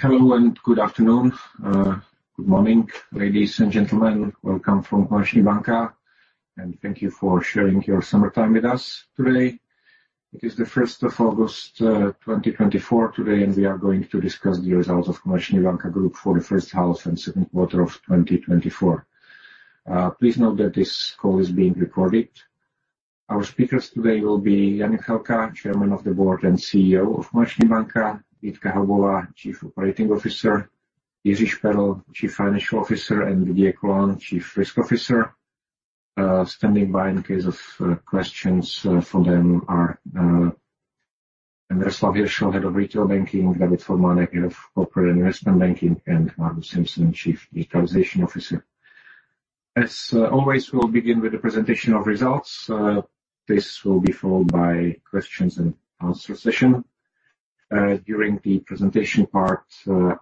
Hello, and good afternoon, good morning, ladies and gentlemen. Welcome from Komerční banka, and thank you for sharing your summer time with us today. It is the first of August 2024 today, and we are going to discuss the results of Komerční banka Group for the first half and second quarter of 2024. Please note that this call is being recorded. Our speakers today will be Jan Juchelka, Chairman of the Board and CEO of Komerční banka, Jitka Haubová, Chief Operating Officer, Jiří Šperl, Chief Financial Officer, and Didier Colin, Chief Risk Officer. Standing by in case of questions from them are Miroslav Hiršl, Head of Retail Banking, David Formánek, Head of Corporate and Investment Banking, and Margus Simson, Chief Digital Officer. As always, we'll begin with the presentation of results. This will be followed by questions and answer session. During the presentation part,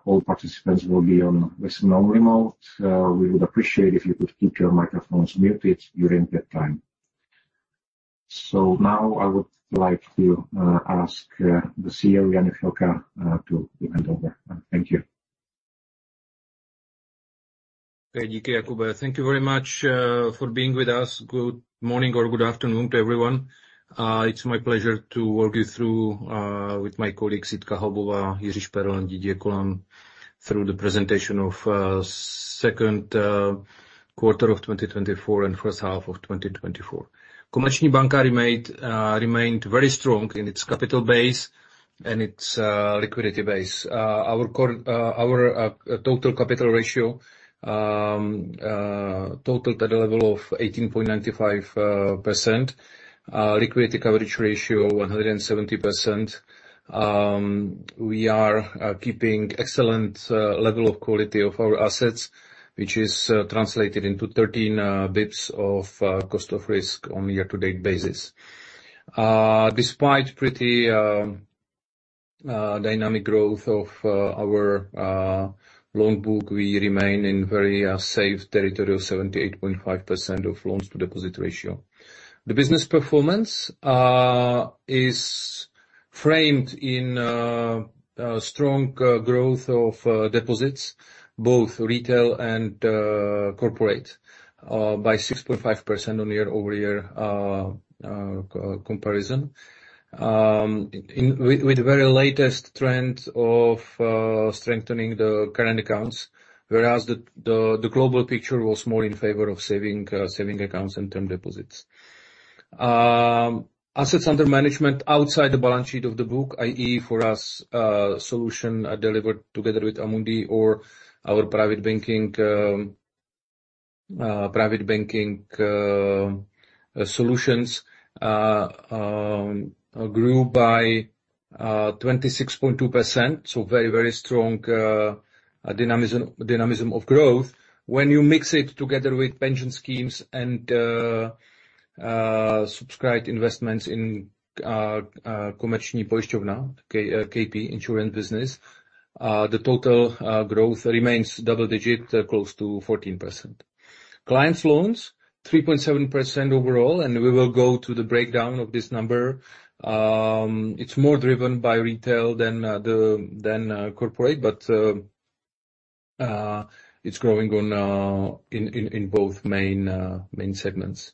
all participants will be on listen-only mode, so we would appreciate if you could keep your microphones muted during that time. So now I would like to ask the CEO, Jan Juchelka, to begin over. Thank you. Thank you, Jakub. Thank you very much for being with us. Good morning or good afternoon to everyone. It's my pleasure to walk you through with my colleagues, Jitka Haubová, Jiří Šperl, and Didier Colin, through the presentation of second quarter of 2024 and first half of 2024. Komerční banka remained very strong in its capital base and its liquidity base. Our total capital ratio totaled at a level of 18.95%. Liquidity coverage ratio 170%. We are keeping excellent level of quality of our assets, which is translated into 13 bps of cost of risk on year-to-date basis. Despite pretty dynamic growth of our loan book, we remain in very safe territory of 78.5% of loans to deposit ratio. The business performance is framed in a strong growth of deposits, both retail and corporate, by 6.5% on year-over-year comparison. With the very latest trend of strengthening the current accounts, whereas the global picture was more in favor of saving accounts and term deposits. Assets under management outside the balance sheet of the book, i.e., for us, solution delivered together with Amundi or our private banking solutions, grew by 26.2%, so very, very strong dynamism of growth. When you mix it together with pension schemes and subscribed investments in Komerční Pojišťovna, KP Insurance business, the total growth remains double-digit, close to 14%. Clients loans, 3.7% overall, and we will go through the breakdown of this number. It's more driven by Retail than the Corporate, but it's growing in both main segments.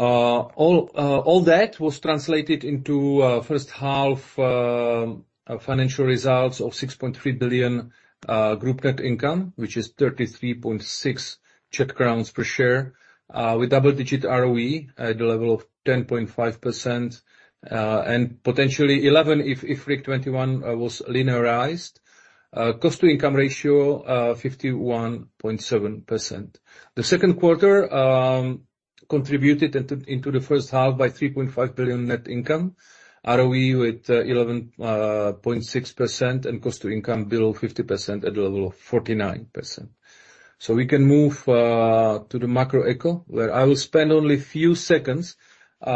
All that was translated into first-half financial results of 6.3 billion group net income, which is 33.6 Czech crowns per share, with double-digit ROE at the level of 10.5%, and potentially 11% if IFRIC 21 was linearized. Cost-to-income ratio, 51.7%. The second quarter contributed into the first half by 3.5 billion net income, ROE with 11.6%, and cost to income below 50% at a level of 49%. So we can move to the macro eco, where I will spend only a few seconds. We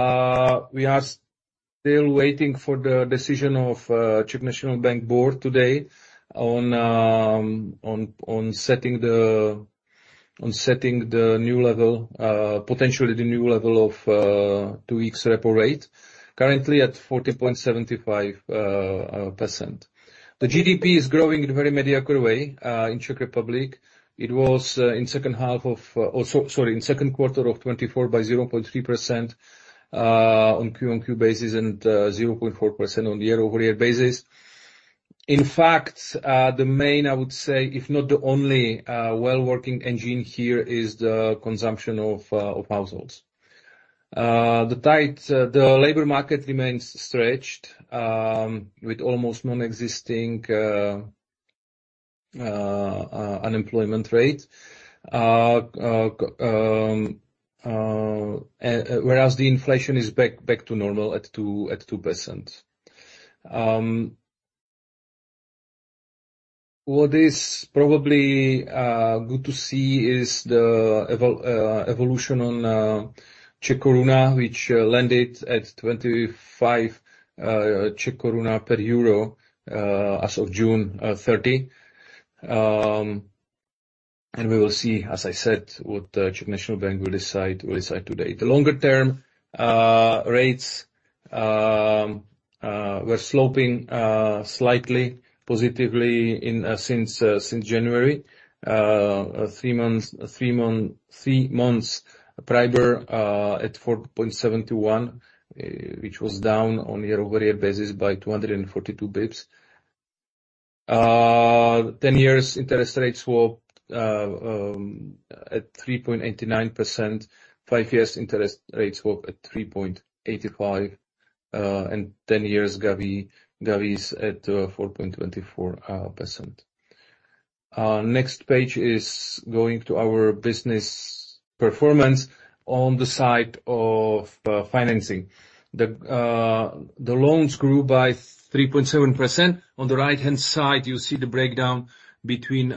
are still waiting for the decision of Czech National Bank Board today on setting the new level, potentially the new level of two-week repo rate, currently at 14.75%. The GDP is growing in a very mediocre way in Czech Republic. It was in second quarter of 2024 by 0.3% on QoQ basis, and 0.4% on year-over-year basis. In fact, the main, I would say, if not the only, well-working engine here is the consumption of households. The tight, the labor market remains stretched, with almost non-existing unemployment rate. Whereas the inflation is back to normal at 2%. What is probably good to see is the evolution on Czech koruna, which landed at 25 Czech koruna per EUR, as of June 30, and we will see, as I said, what the Czech National Bank will decide today. The longer-term rates were sloping slightly positively since January. Three-month PRIBOR at 4.721, which was down on a year-over-year basis by 242 basis points. 10-year interest rates were at 3.89%, 5-year interest rates were at 3.85%, and 10-year CZGB is at 4.24%. Next page is going to our business performance on the side of financing. The loans grew by 3.7%. On the right-hand side, you see the breakdown between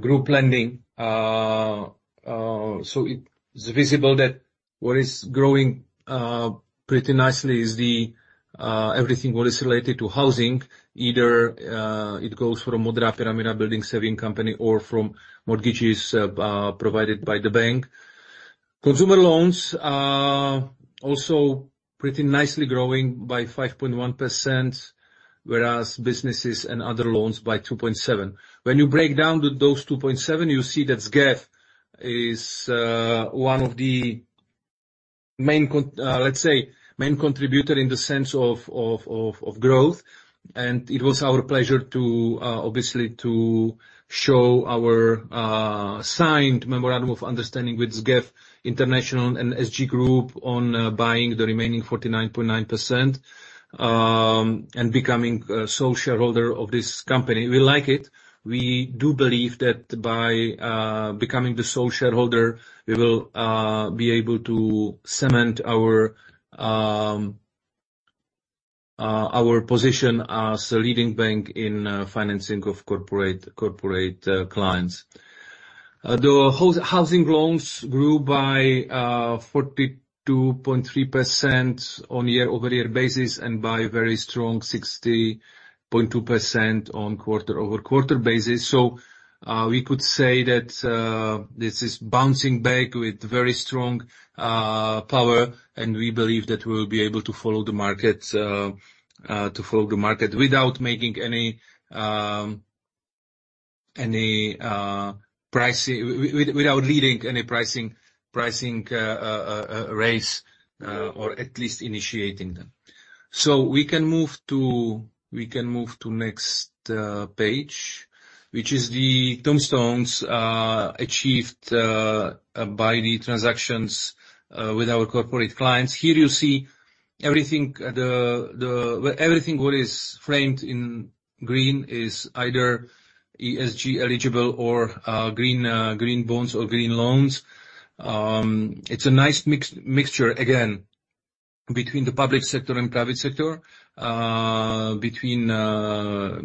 group lending. So it is visible that what is growing pretty nicely is everything what is related to housing, either it goes from Modrá pyramida building savings company or from mortgages provided by the bank. Consumer loans are also pretty nicely growing by 5.1%, whereas businesses and other loans by 2.7%. When you break down those 2.7%, you see that SGEF is one of the main, let's say, main contributor in the sense of growth. And it was our pleasure to obviously to show our signed Memorandum of Understanding with SGEF International and SG Group on buying the remaining 49.9%, and becoming a sole shareholder of this company. We like it. We do believe that by becoming the sole shareholder, we will be able to cement our position as a leading bank in financing of corporate clients. The housing loans grew by 42.3% on a year-over-year basis and by a very strong 60.2% on a quarter-over-quarter basis. So, we could say that this is bouncing back with very strong power, and we believe that we will be able to follow the market to follow the market without making any without leading any pricing race or at least initiating them. So we can move to we can move to next page, which is the tombstones achieved by the transactions with our corporate clients. Here you see everything the everything what is framed in green is either ESG-eligible or green bonds or green loans. It's a nice mixture, again, between the public sector and private sector, between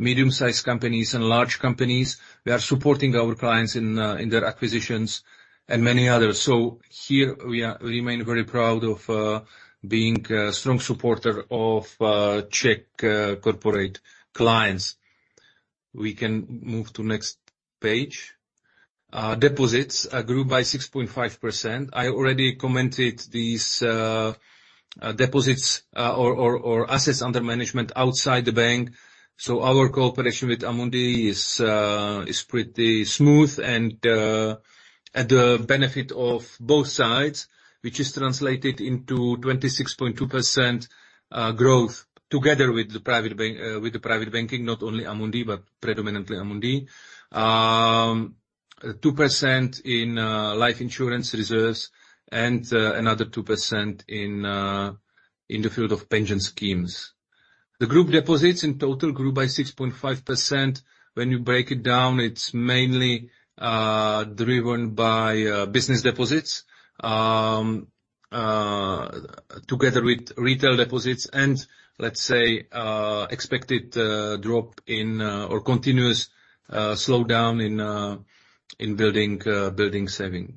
medium-sized companies and large companies. We are supporting our clients in their acquisitions and many others. So here we are, remain very proud of being a strong supporter of Czech corporate clients. We can move to next page. Deposits grew by 6.5%. I already commented these deposits or assets under management outside the bank, so our cooperation with Amundi is pretty smooth and at the benefit of both sides, which is translated into 26.2% growth together with the private bank, with the private banking, not only Amundi, but predominantly Amundi. Two percent in life insurance reserves and another 2% in the field of pension schemes. The group deposits in total grew by 6.5%. When you break it down, it's mainly driven by business deposits together with retail deposits and, let's say, expected drop in or continuous slowdown in building savings.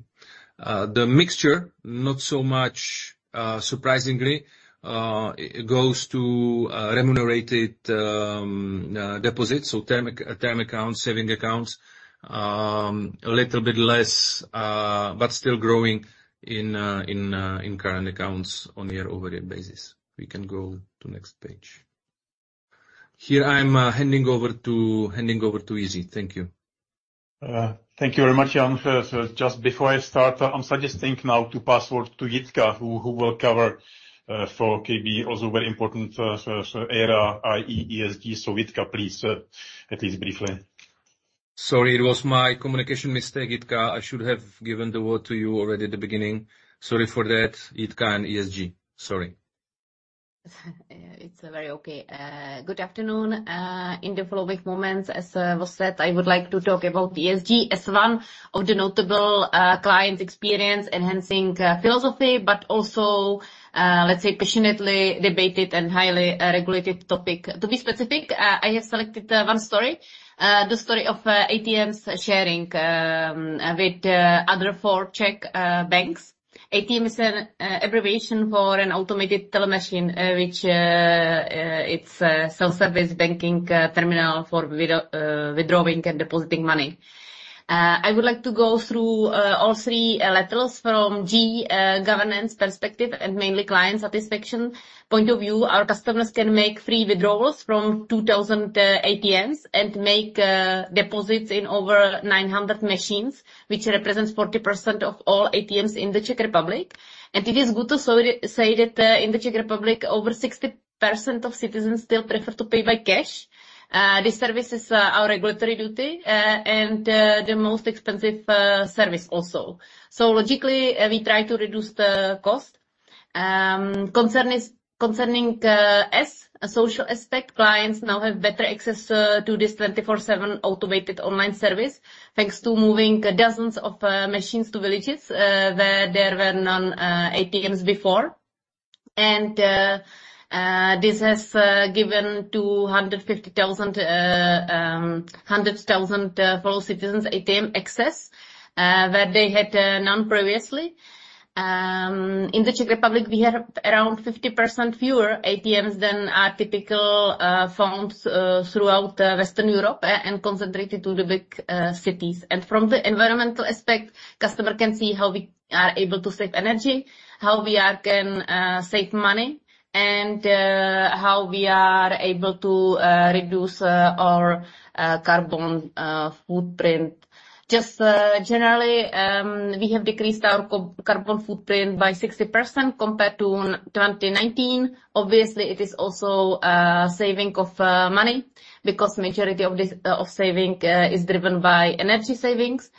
The mixture, not so much surprisingly, it goes to remunerated deposits, so term accounts, savings accounts, a little bit less but still growing in current accounts on year-over-year basis. We can go to next page. Here I'm handing over to Jiří. Thank you. Thank you very much, Jan. So just before I start, I'm suggesting now to pass over to Jitka, who will cover for KB, also very important area, i.e., ESG. So, Jitka, please, at least briefly. Sorry, it was my communication mistake, Jitka. I should have given the word to you already at the beginning. Sorry for that, Jitka and ESG. Sorry. It's very okay. Good afternoon. In the following moments, as was said, I would like to talk about ESG as one of the notable client experience-enhancing philosophy, but also, let's say, passionately debated and highly regulated topic. To be specific, I have selected one story, the story of ATMs sharing with other four Czech banks. ATM is an abbreviation for an automated teller machine, which it's a self-service banking terminal for withdrawing and depositing money. I would like to go through all three letters from G, governance perspective and mainly client satisfaction point of view. Our customers can make free withdrawals from 2,000 ATMs and make deposits in over 900 machines, which represents 40% of all ATMs in the Czech Republic. It is good to say that in the Czech Republic, over 60% of citizens still prefer to pay by cash. This service is our regulatory duty and the most expensive service also. So logically, we try to reduce the cost. Concerning the social aspect, clients now have better access to this 24/7 automated online service, thanks to moving dozens of machines to villages where there were no ATMs before. This has given 100,000 citizens ATM access where they had none previously. In the Czech Republic, we have around 50% fewer ATMs than are typical found throughout Western Europe, and concentrated to the big cities. From the environmental aspect, customer can see how we are able to save energy, how we can save money, and how we are able to reduce our carbon footprint. Just generally, we have decreased our carbon footprint by 60% compared to 2019. Obviously, it is also saving of money, because majority of this saving is driven by energy savings.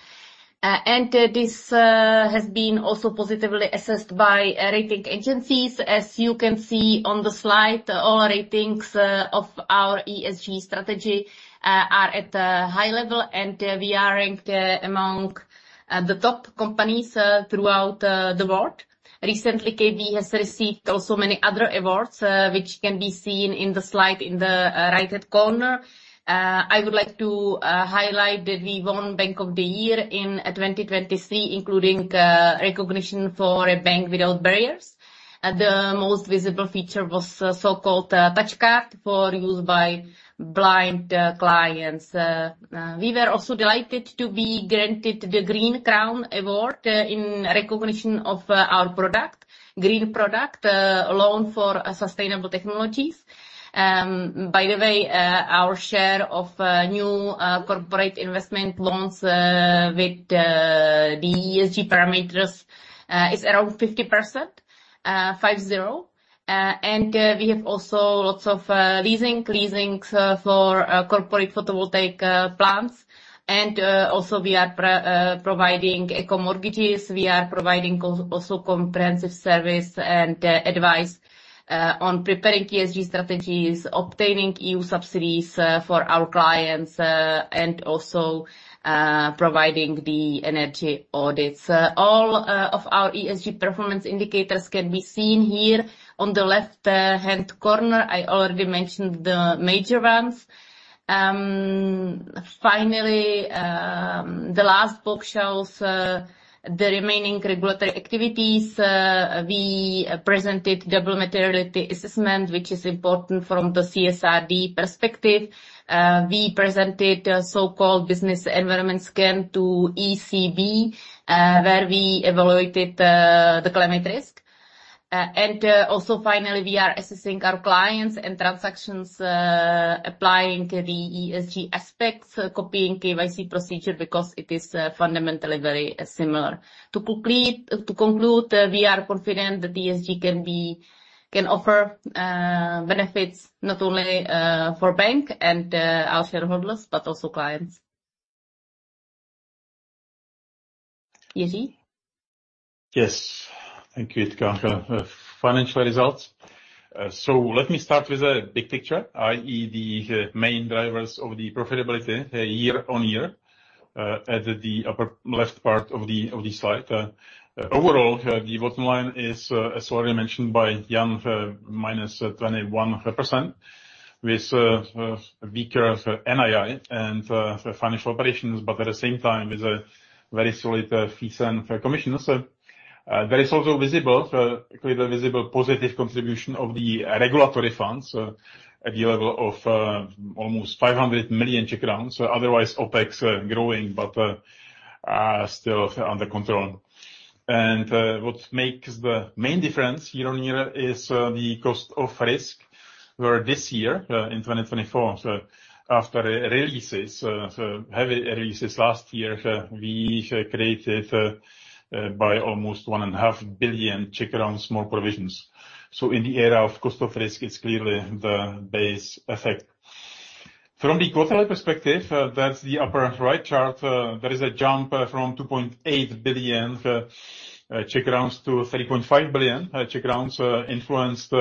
And this has been also positively assessed by rating agencies. As you can see on the slide, all ratings of our ESG strategy are at a high level, and we are ranked among the top companies throughout the world. Recently, KB has received also many other awards, which can be seen in the slide in the right-hand corner. I would like to highlight that we won Bank of the Year in 2023, including recognition for a bank without barriers. The most visible feature was a so-called Touch Card for use by blind clients. We were also delighted to be granted the Green Crown Award in recognition of our product, green product loan for sustainable technologies. By the way, our share of new corporate investment loans with the ESG parameters is around 50%, five-zero. We have also lots of leasing for corporate photovoltaic plants. Also, we are providing eco-mortgages. We are providing also comprehensive service and advice on preparing ESG strategies, obtaining EU subsidies for our clients, and also providing the energy audits. All of our ESG performance indicators can be seen here on the left-hand corner. I already mentioned the major ones. Finally, the last box shows the remaining regulatory activities. We presented double materiality assessment, which is important from the CSRD perspective. We presented a so-called business environment scan to ECB, where we evaluated the climate risk. Also finally, we are assessing our clients and transactions, applying the ESG aspects, copying KYC procedure, because it is fundamentally very similar. To conclude, we are confident that ESG can offer benefits not only for bank and our shareholders, but also clients. Jiří? Yes. Thank you, Jitka. Financial results. So let me start with the big picture, i.e., the main drivers of the profitability, year-over-year, at the upper left part of the slide. Overall, the bottom line is, as already mentioned by Jan, -21%, with weaker NII and financial operations, but at the same time, with a very solid fees and commissions. There is also visible, clearly visible positive contribution of the regulatory funds, at the level of almost 500 million Czech crowns. Otherwise, OpEx are growing, but are still under control. What makes the main difference year-on-year is the cost of risk, where this year, in 2024, after releases, heavy releases last year, we created by almost 1.5 billion small provisions. In the area of cost of risk, it's clearly the base effect. From the quarterly perspective, that's the upper right chart. There is a jump from 2.8 billion to 3.5 billion, influenced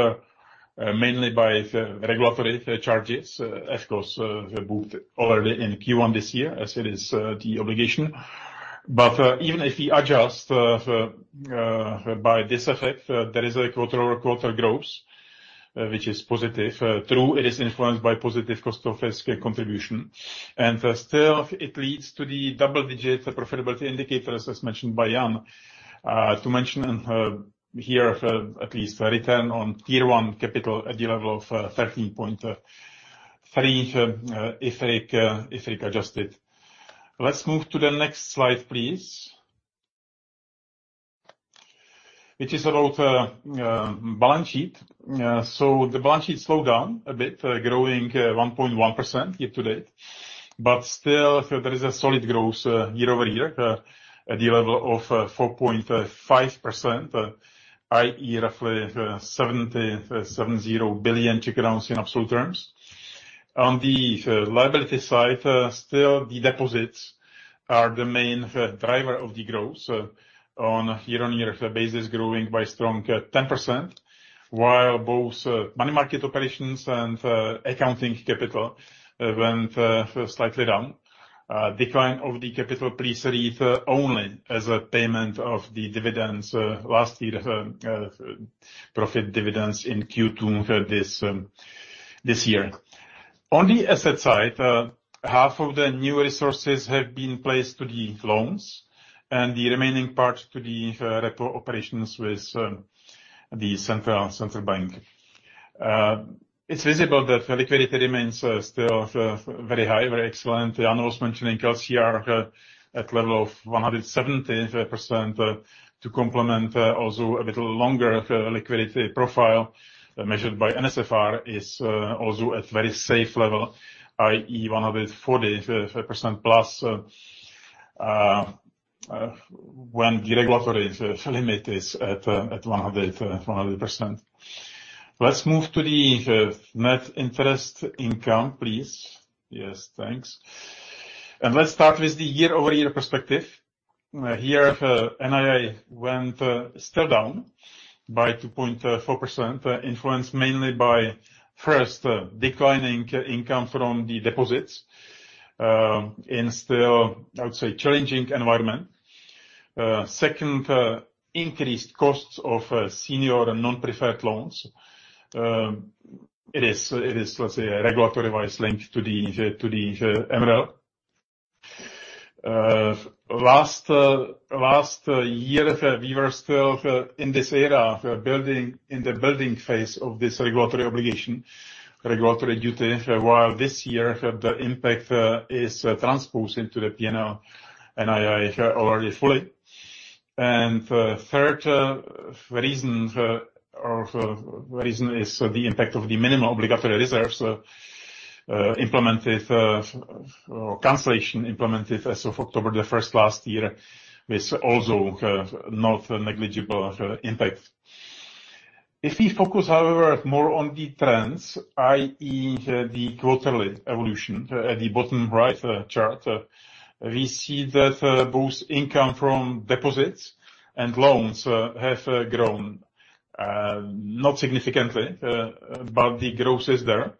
mainly by the regulatory charges, of course, moved already in Q1 this year, as it is the obligation. Even if we adjust by this effect, there is a quarter-over-quarter growth, which is positive. True, it is influenced by positive cost of risk contribution, and still, it leads to the double-digit profitability indicators, as mentioned by Jan. To mention here, at least a return on tier one capital at the level of 13.3, IFRIC adjusted. Let's move to the next slide, please, which is about balance sheet. So the balance sheet slowed down a bit, growing 1.1% year-to-date, but still, there is a solid growth year-over-year at the level of 4.5%, i.e., roughly 770 billion in absolute terms. On the liability side, still, the deposits are the main driver of the growth on a year-on-year basis, growing by strong 10%, while both money market operations and accounting capital went slightly down. Decline of the capital pre-receive only as a payment of the dividends last year profit dividends in Q2 for this year. On the asset side, half of the new resources have been placed to the loans, and the remaining part to the repo operations with the central bank. It's visible that liquidity remains still very high, very excellent. Jan was mentioning LCR at level of 170%, to complement also a bit longer liquidity profile, measured by NSFR, is also at very safe level, i.e., 140%+, when the regulatory limit is at 100%. Let's move to the net interest income, please. Yes, thanks. And let's start with the year-over-year perspective. Here, NII went still down by 2.4%, influenced mainly by, first, declining income from the deposits, in still, I would say, challenging environment. Second, increased costs of senior and non-preferred loans. It is, it is, let's say, a regulatory-wise link to the MREL. Last year we were still in this era in the building phase of this regulatory obligation, regulatory duty, while this year the impact is transposed into the P&L NII already fully. Third reason or reason is the impact of the minimum obligatory reserves or cancellation implemented as of October 1 last year is also not negligible impact. If we focus, however, more on the trends, i.e., the quarterly evolution at the bottom right chart, we see that both income from deposits and loans have grown not significantly, but the growth is there.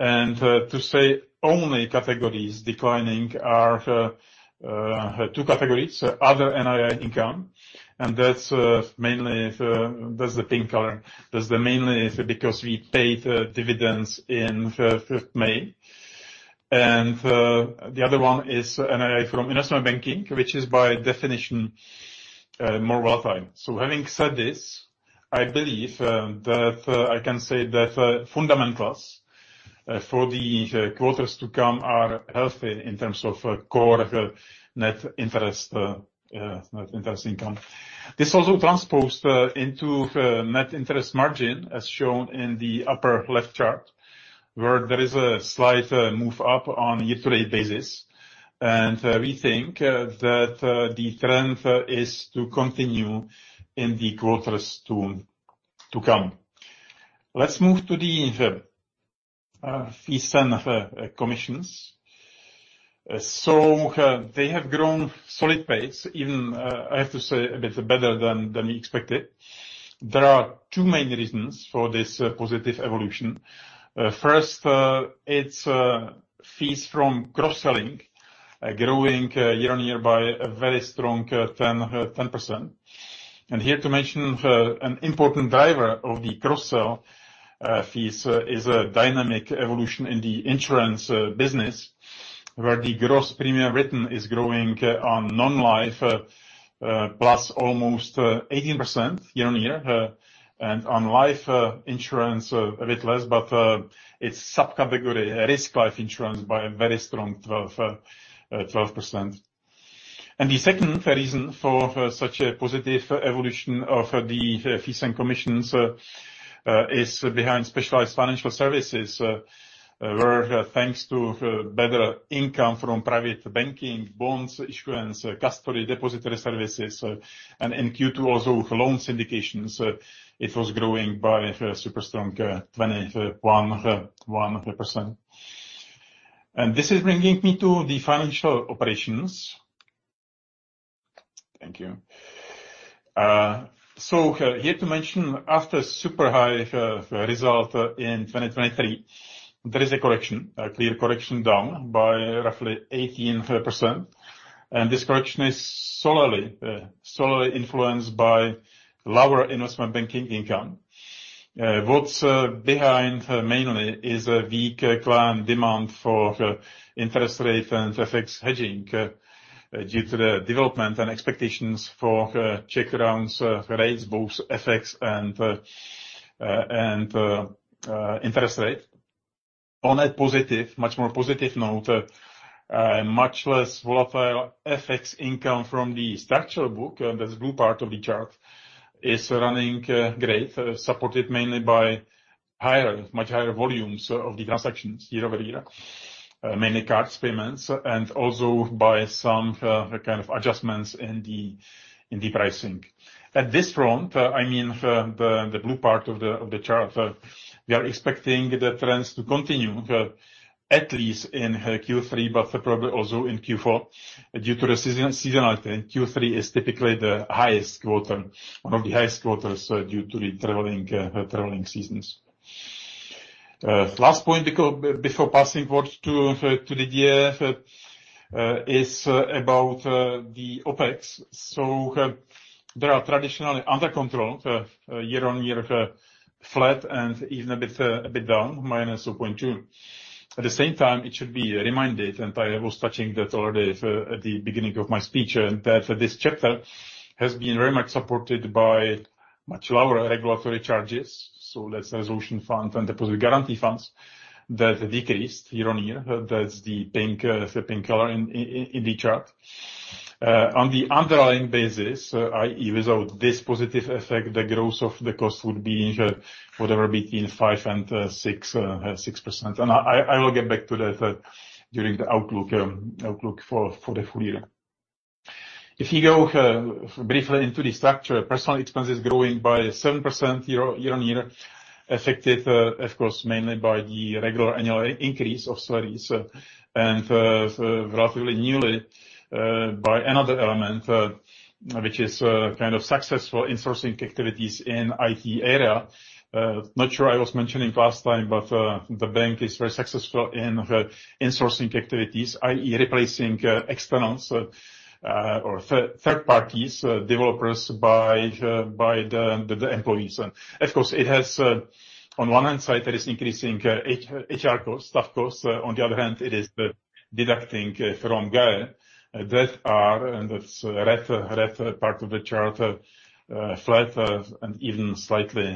The only categories declining are two categories, other NII income, and that's mainly the pink color. That's mainly because we paid dividends in 5th May. And the other one is NII from investment banking, which is by definition more volatile. So having said this, I believe that I can say that fundamentals for the quarters to come are healthy in terms of core net interest net interest income. This also transposed into net interest margin, as shown in the upper left chart, where there is a slight move up on a year-to-date basis. And we think that the trend is to continue in the quarters to come. Let's move to the fees and commissions. So they have grown solid pace, even I have to say a bit better than we expected. There are two main reasons for this positive evolution. First, it's fees from cross-selling growing year-on-year by a very strong 10%. And here to mention, an important driver of the cross-sell fees is a dynamic evolution in the insurance business, where the gross premium written is growing on non-life plus almost 18% year-on-year. And on life insurance, a bit less, but its subcategory, risk life insurance by a very strong 12%. And the second reason for such a positive evolution of the fees and commissions is behind specialized financial services, where thanks to better income from private banking, bonds issuance, custody, depository services, and in Q2, also loan syndications, it was growing by a super strong 21%. This is bringing me to the financial operations. Thank you. So here to mention, after super high result in 2023, there is a correction, a clear correction down by roughly 18%. And this correction is solely solely influenced by lower investment banking income. What's behind mainly is a weak client demand for interest rate and FX hedging due to the development and expectations for Czech crowns rates, both FX and and interest rate. On a positive, much more positive note, a much less volatile FX income from the structural book, and that's blue part of the chart, is running great supported mainly by higher, much higher volumes of the transactions year-over-year. Mainly cards, payments, and also by some kind of adjustments in the pricing. At this front, I mean, the blue part of the chart, we are expecting the trends to continue, at least in Q3, but probably also in Q4, due to the seasonality. Q3 is typically the highest quarter, one of the highest quarters due to the traveling seasons. Last point, before passing forward to Didier, is about the OpEx. So, there are traditionally under control, year-on-year, flat and even a bit down, -0.2. At the same time, it should be reminded, and I was touching that already at the beginning of my speech, and that this chapter has been very much supported by much lower regulatory charges, so less resolution funds and deposit guarantee funds, that decreased year-on-year. That's the pink color in the chart. On the underlying basis, i.e., without this positive effect, the growth of the cost would be whatever, between 5% and 6%. And I will get back to that during the outlook for the full year. If you go briefly into the structure, personal expenses growing by 7% year-on-year, affected, of course, mainly by the regular annual increase of salaries, and, relatively newly, by another element, which is kind of successful in sourcing activities in IT area. Not sure I was mentioning last time, but the bank is very successful in sourcing activities, i.e., replacing externals or third parties, developers by the employees. Of course, it has, on one hand side, there is increasing HR cost, staff cost. On the other hand, it is the deducting from GAE, that are, and that's red, red part of the chart, flat, and even slightly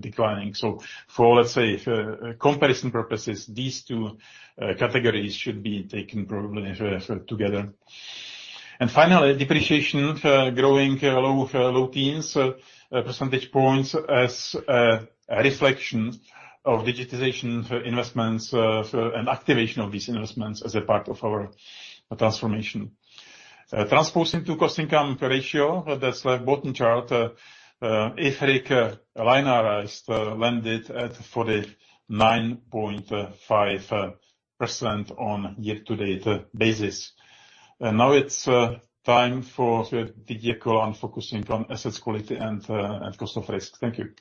declining. So for, let's say, for comparison purposes, these two categories should be taken probably together. And finally, depreciation, growing low teens percentage points as a reflection of digitization investments and activation of these investments as a part of our transformation. Transposing to cost income ratio, that's like bottom chart, IFRIC-linearized, landed at 49.5% on year-to-date basis. Now it's time for Didier Colin focusing on asset quality and cost of risk. Thank you.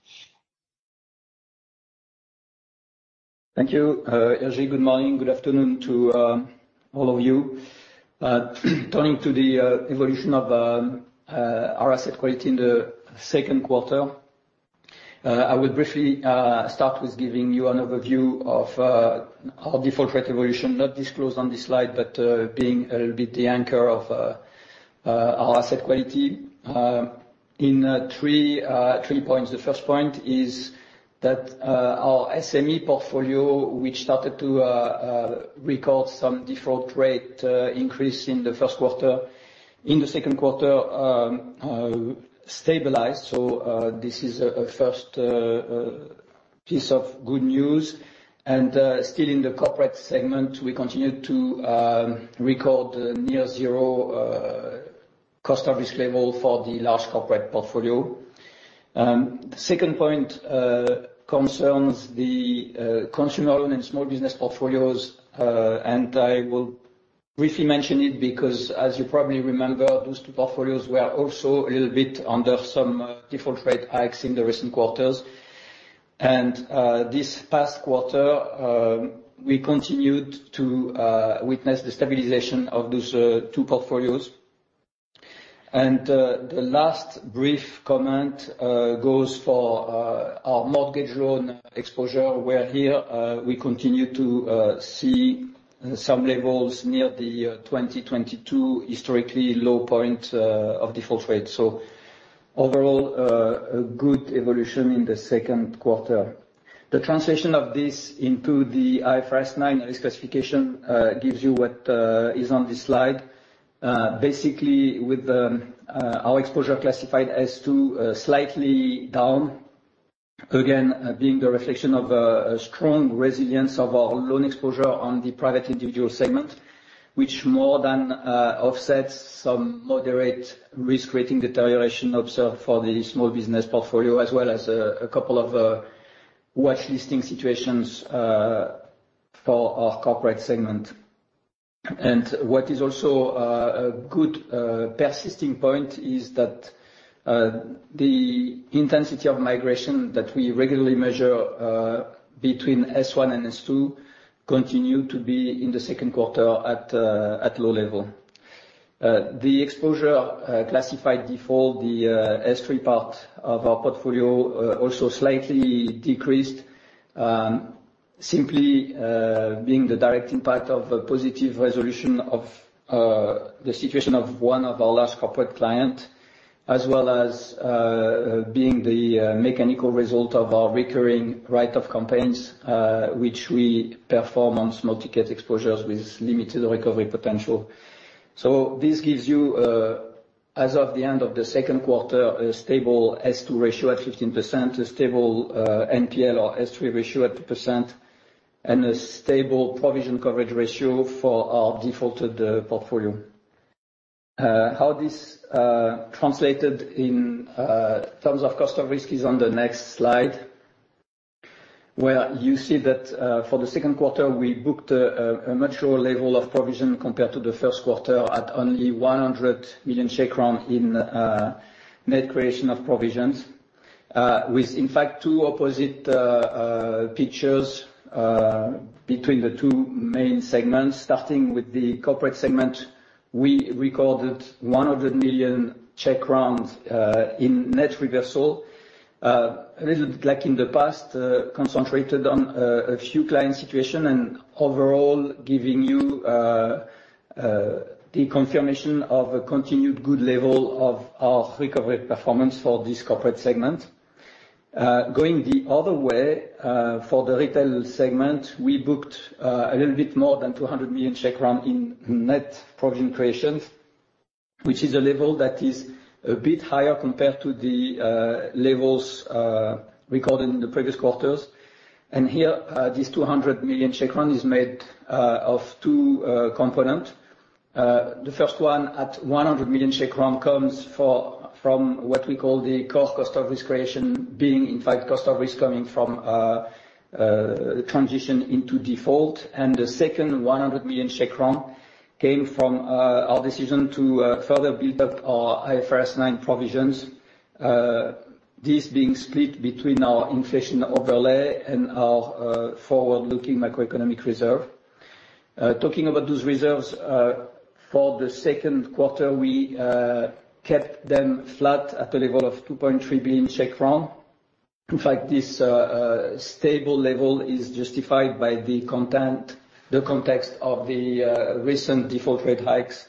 Thank you, Jiří. Good morning. Good afternoon to all of you. Turning to the evolution of our asset quality in the second quarter, I will briefly start with giving you an overview of our default rate evolution, not disclosed on this slide, but being a little bit the anchor of our asset quality in three points. The first point is that our SME portfolio, which started to record some default rate increase in the first quarter, in the second quarter stabilized. So this is a first piece of good news. Still in the corporate segment, we continued to record near zero cost-of-risk level for the large corporate portfolio. The second point concerns the consumer loan and small business portfolios, and I will briefly mention it, because as you probably remember, those two portfolios were also a little bit under some default rate hikes in the recent quarters. And this past quarter, we continued to witness the stabilization of those two portfolios. And the last brief comment goes for our mortgage loan exposure, where here we continue to see some levels near the 2022 historically low point of default rate. So overall, a good evolution in the second quarter. The translation of this into the IFRS 9 risk classification gives you what is on this slide. Basically, with our exposure classified as to, slightly down, again, being a reflection of a strong resilience of our loan exposure on the private individual segment, which more than offsets some moderate risk-rating deterioration observed for the small business portfolio, as well as a couple of watch listing situations for our corporate segment. And what is also a good persisting point is that the intensity of migration that we regularly measure between S1 and S2 continue to be in the second quarter at low level. The exposure classified default, the S3 part of our portfolio, also slightly decreased, simply being the direct impact of a positive resolution of the situation of one of our largest corporate clients as well as being the mechanical result of our recurring write-off campaigns, which we perform on multi-cat exposures with limited recovery potential. So this gives you, as of the end of the second quarter, a stable S2 ratio at 15%, a stable NPL or S3 ratio at 2%, and a stable provision coverage ratio for our defaulted portfolio. How this translated in terms of cost of risk is on the next slide, where you see that, for the second quarter, we booked a mature level of provision compared to the first quarter at only 100 million in net creation of provisions. With, in fact, two opposite pictures between the two main segments. Starting with the corporate segment, we recorded 100 million in net reversal. A little like in the past, concentrated on a few client situation and overall giving you the confirmation of a continued good level of our recovery performance for this corporate segment. Going the other way, for the retail segment, we booked a little bit more than 200 million in net provision creations, which is a level that is a bit higher compared to the levels recorded in the previous quarters. And here, this 200 million is made of two component. The first one, at 100 million, comes from what we call the core cost of risk creation, being, in fact, cost of risk coming from transition into default. And the second 100 million came from our decision to further build up our IFRS 9 provisions, this being split between our inflation overlay and our forward-looking macroeconomic reserve. Talking about those reserves, for the second quarter, we kept them flat at a level of 2.3 billion. In fact, this stable level is justified by the context of the recent default rate hikes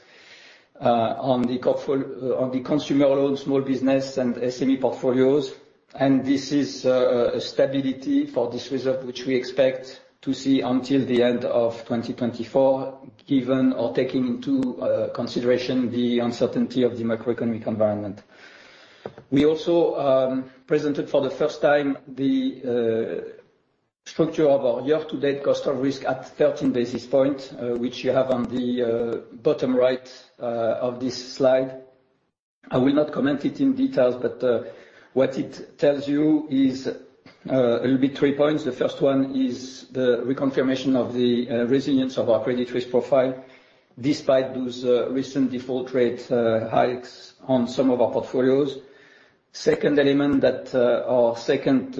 on the consumer loans, small business, and SME portfolios. And this is a stability for this reserve, which we expect to see until the end of 2024, given or taking into consideration the uncertainty of the macroeconomic environment. We also presented for the first time the structure of our year-to-date cost of risk at 13 basis points, which you have on the bottom right of this slide. I will not comment it in details, but what it tells you is a little bit three points. The first one is the reconfirmation of the resilience of our credit risk profile, despite those recent default rate hikes on some of our portfolios. Second element that or second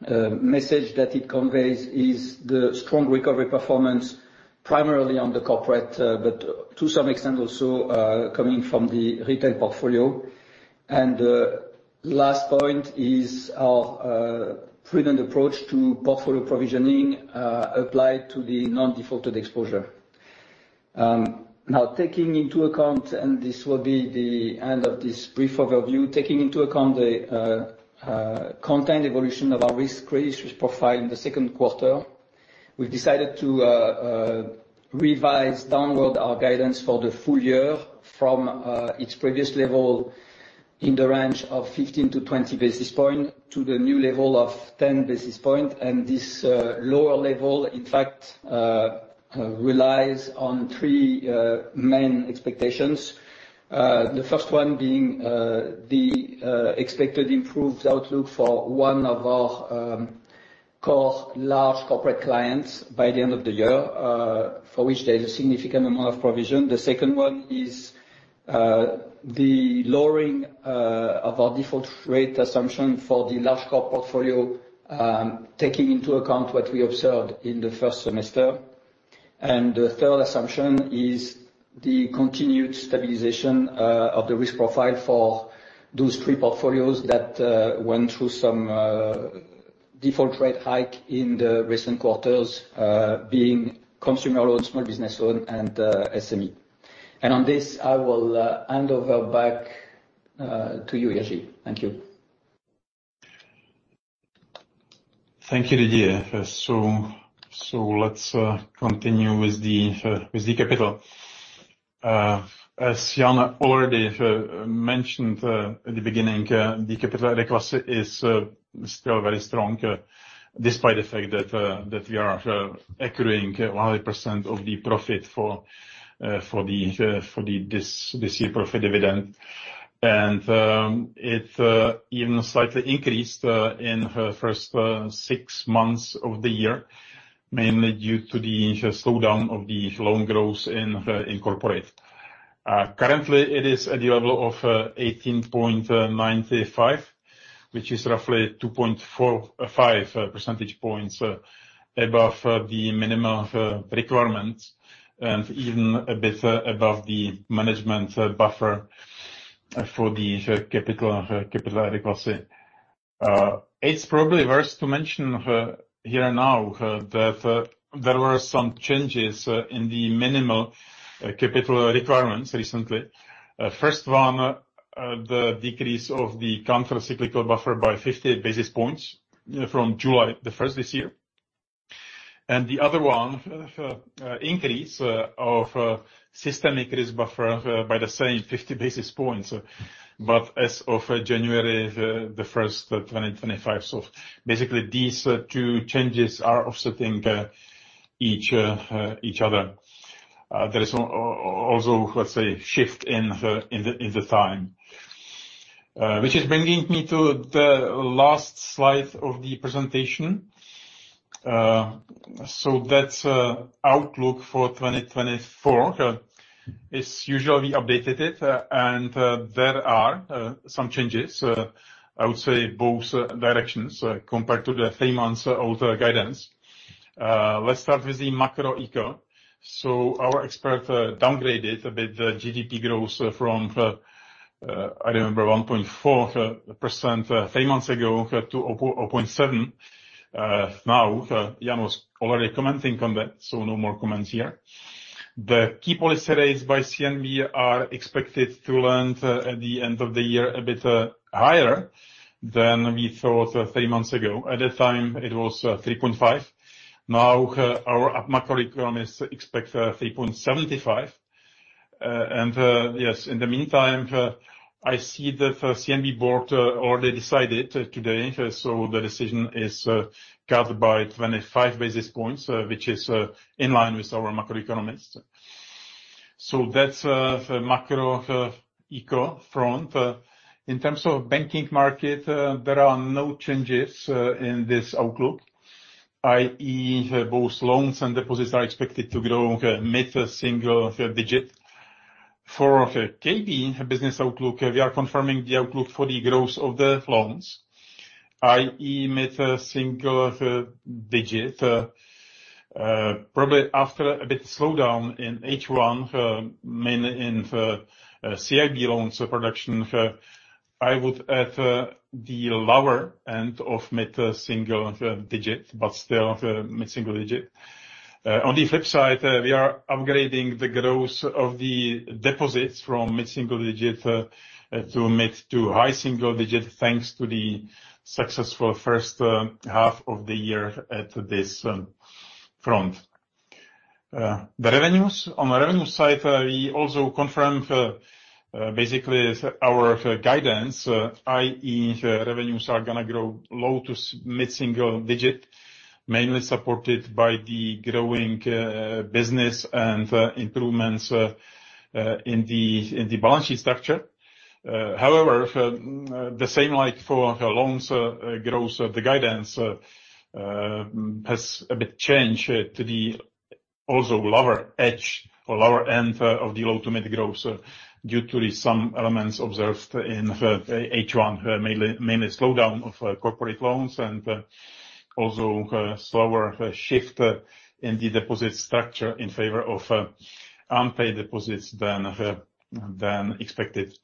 message that it conveys is the strong recovery performance, primarily on the corporate, but to some extent, also coming from the retail portfolio. And last point is our prudent approach to portfolio provisioning applied to the non-defaulted exposure. Now, taking into account, and this will be the end of this brief overview, taking into account the recent evolution of our credit risk profile in the second quarter, we've decided to revise downward our guidance for the full year from its previous level in the range of 15-20 basis points to the new level of 10 basis points. And this lower level, in fact, relies on three main expectations. The first one being the expected improved outlook for one of our core large corporate clients by the end of the year, for which there is a significant amount of provision. The second one is the lowering of our default rate assumption for the large core portfolio, taking into account what we observed in the first semester. The third assumption is the continued stabilization of the risk profile for those three portfolios that went through some default rate hike in the recent quarters, being consumer loans, small business loan, and SME. On this, I will hand over back to you, Jiří. Thank you. Thank you, Didier. So let's continue with the capital. As Jan already mentioned at the beginning, the capital adequacy is still very strong, despite the fact that we are accruing 100% of the profit for this year's profit dividend. And it even slightly increased in the first 6 months of the year, mainly due to the slowdown of the loan growth in corporate. Currently, it is at the level of 18.95, which is roughly 2.45 percentage points above the minimum requirements, and even a bit above the management buffer for the capital capital adequacy. It's probably worth to mention here now that there were some changes in the minimum capital requirements recently. First one, the decrease of the countercyclical buffer by 50 basis points, you know, from July the first this year. And the other one, increase of systemic risk buffer by the same 50 basis points. But as of January the first, 2025. So basically, these two changes are offsetting each other. There is also, let's say, shift in the time. Which is bringing me to the last slide of the presentation. So that's outlook for 2024. It's usually we updated it, and, there are, some changes, I would say both directions, compared to the same months of the guidance. Let's start with the macro eco. So our expert, downgraded a bit the GDP growth from, I remember 1.4%, three months ago, to 0.7%. Now, Jan was already commenting on that, so no more comments here. The key policy rates by CNB are expected to land, at the end of the year, a bit, higher than we thought three months ago. At that time, it was, 3.5%. Now, our macro economist expect, 3.75%. Yes, in the meantime, I see that the CNB board already decided today, so the decision is cut by 25 basis points, which is in line with our macroeconomists. So that's the macro eco front. In terms of banking market, there are no changes in this outlook, i.e., both loans and deposits are expected to grow mid-single digit. For the KB business outlook, we are confirming the outlook for the growth of the loans, i.e., mid-single digit. Probably after a bit slowdown in H1, mainly in the CIB loans production. I would add the lower end of mid-single digit, but still mid-single digit. On the flip side, we are upgrading the growth of the deposits from mid-single digit to mid-to high single digit, thanks to the successful first half of the year at this front. The revenues. On the revenue side, we also confirm basically our guidance, i.e., revenues are going to grow low to mid-single digit, mainly supported by the growing business and improvements in the balance sheet structure. However, the same like for the loans growth, the guidance has a bit changed to the also lower edge or lower end of the automatic growth, due to some elements observed in H1, mainly slowdown of corporate loans and also slower shift in the deposit structure in favor of unpaid deposits than expected.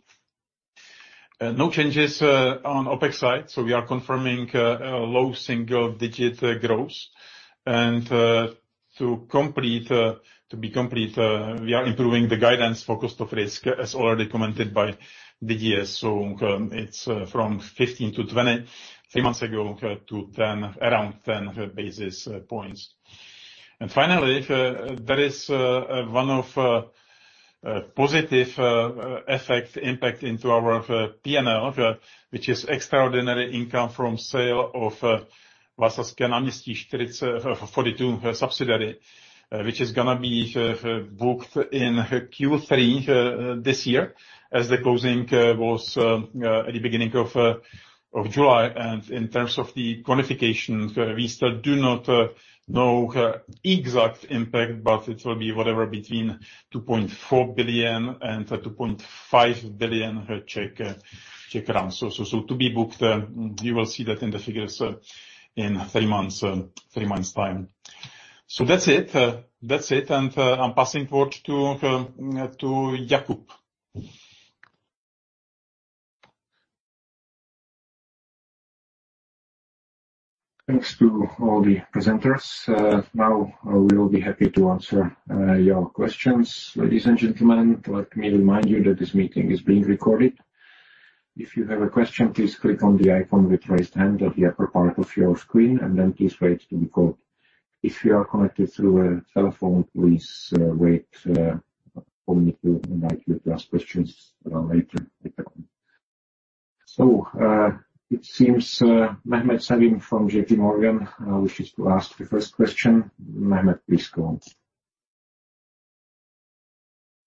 No changes on OpEx side, so we are confirming a low single-digit growth. And to complete, to be complete, we are improving the guidance for cost of risk, as already commented by Didier. So, it's from 15 to 23 months ago to around 10 basis points. And finally, there is one positive effect impact into our P&L, which is extraordinary income from sale of Václavské náměstí 42 subsidiary, which is going to be booked in Q3 this year, as the closing was at the beginning of July. And in terms of the quantification, we still do not know exact impact, but it will be whatever, between 2.4 billion and 2.5 billion. So, so to be booked, you will see that in the figures, in three months, three months' time. So that's it. That's it, and, I'm passing forward to, to Jakub Černý. Thanks to all the presenters. Now we will be happy to answer your questions. Ladies and gentlemen, let me remind you that this meeting is being recorded. If you have a question, please click on the icon with raised hand on the upper part of your screen, and then please wait to be called. If you are connected through a telephone, please wait for me to invite you to ask questions later. So, it seems, Mehmet Sevim from JPMorgan wishes to ask the first question. Mehmet, please, go on.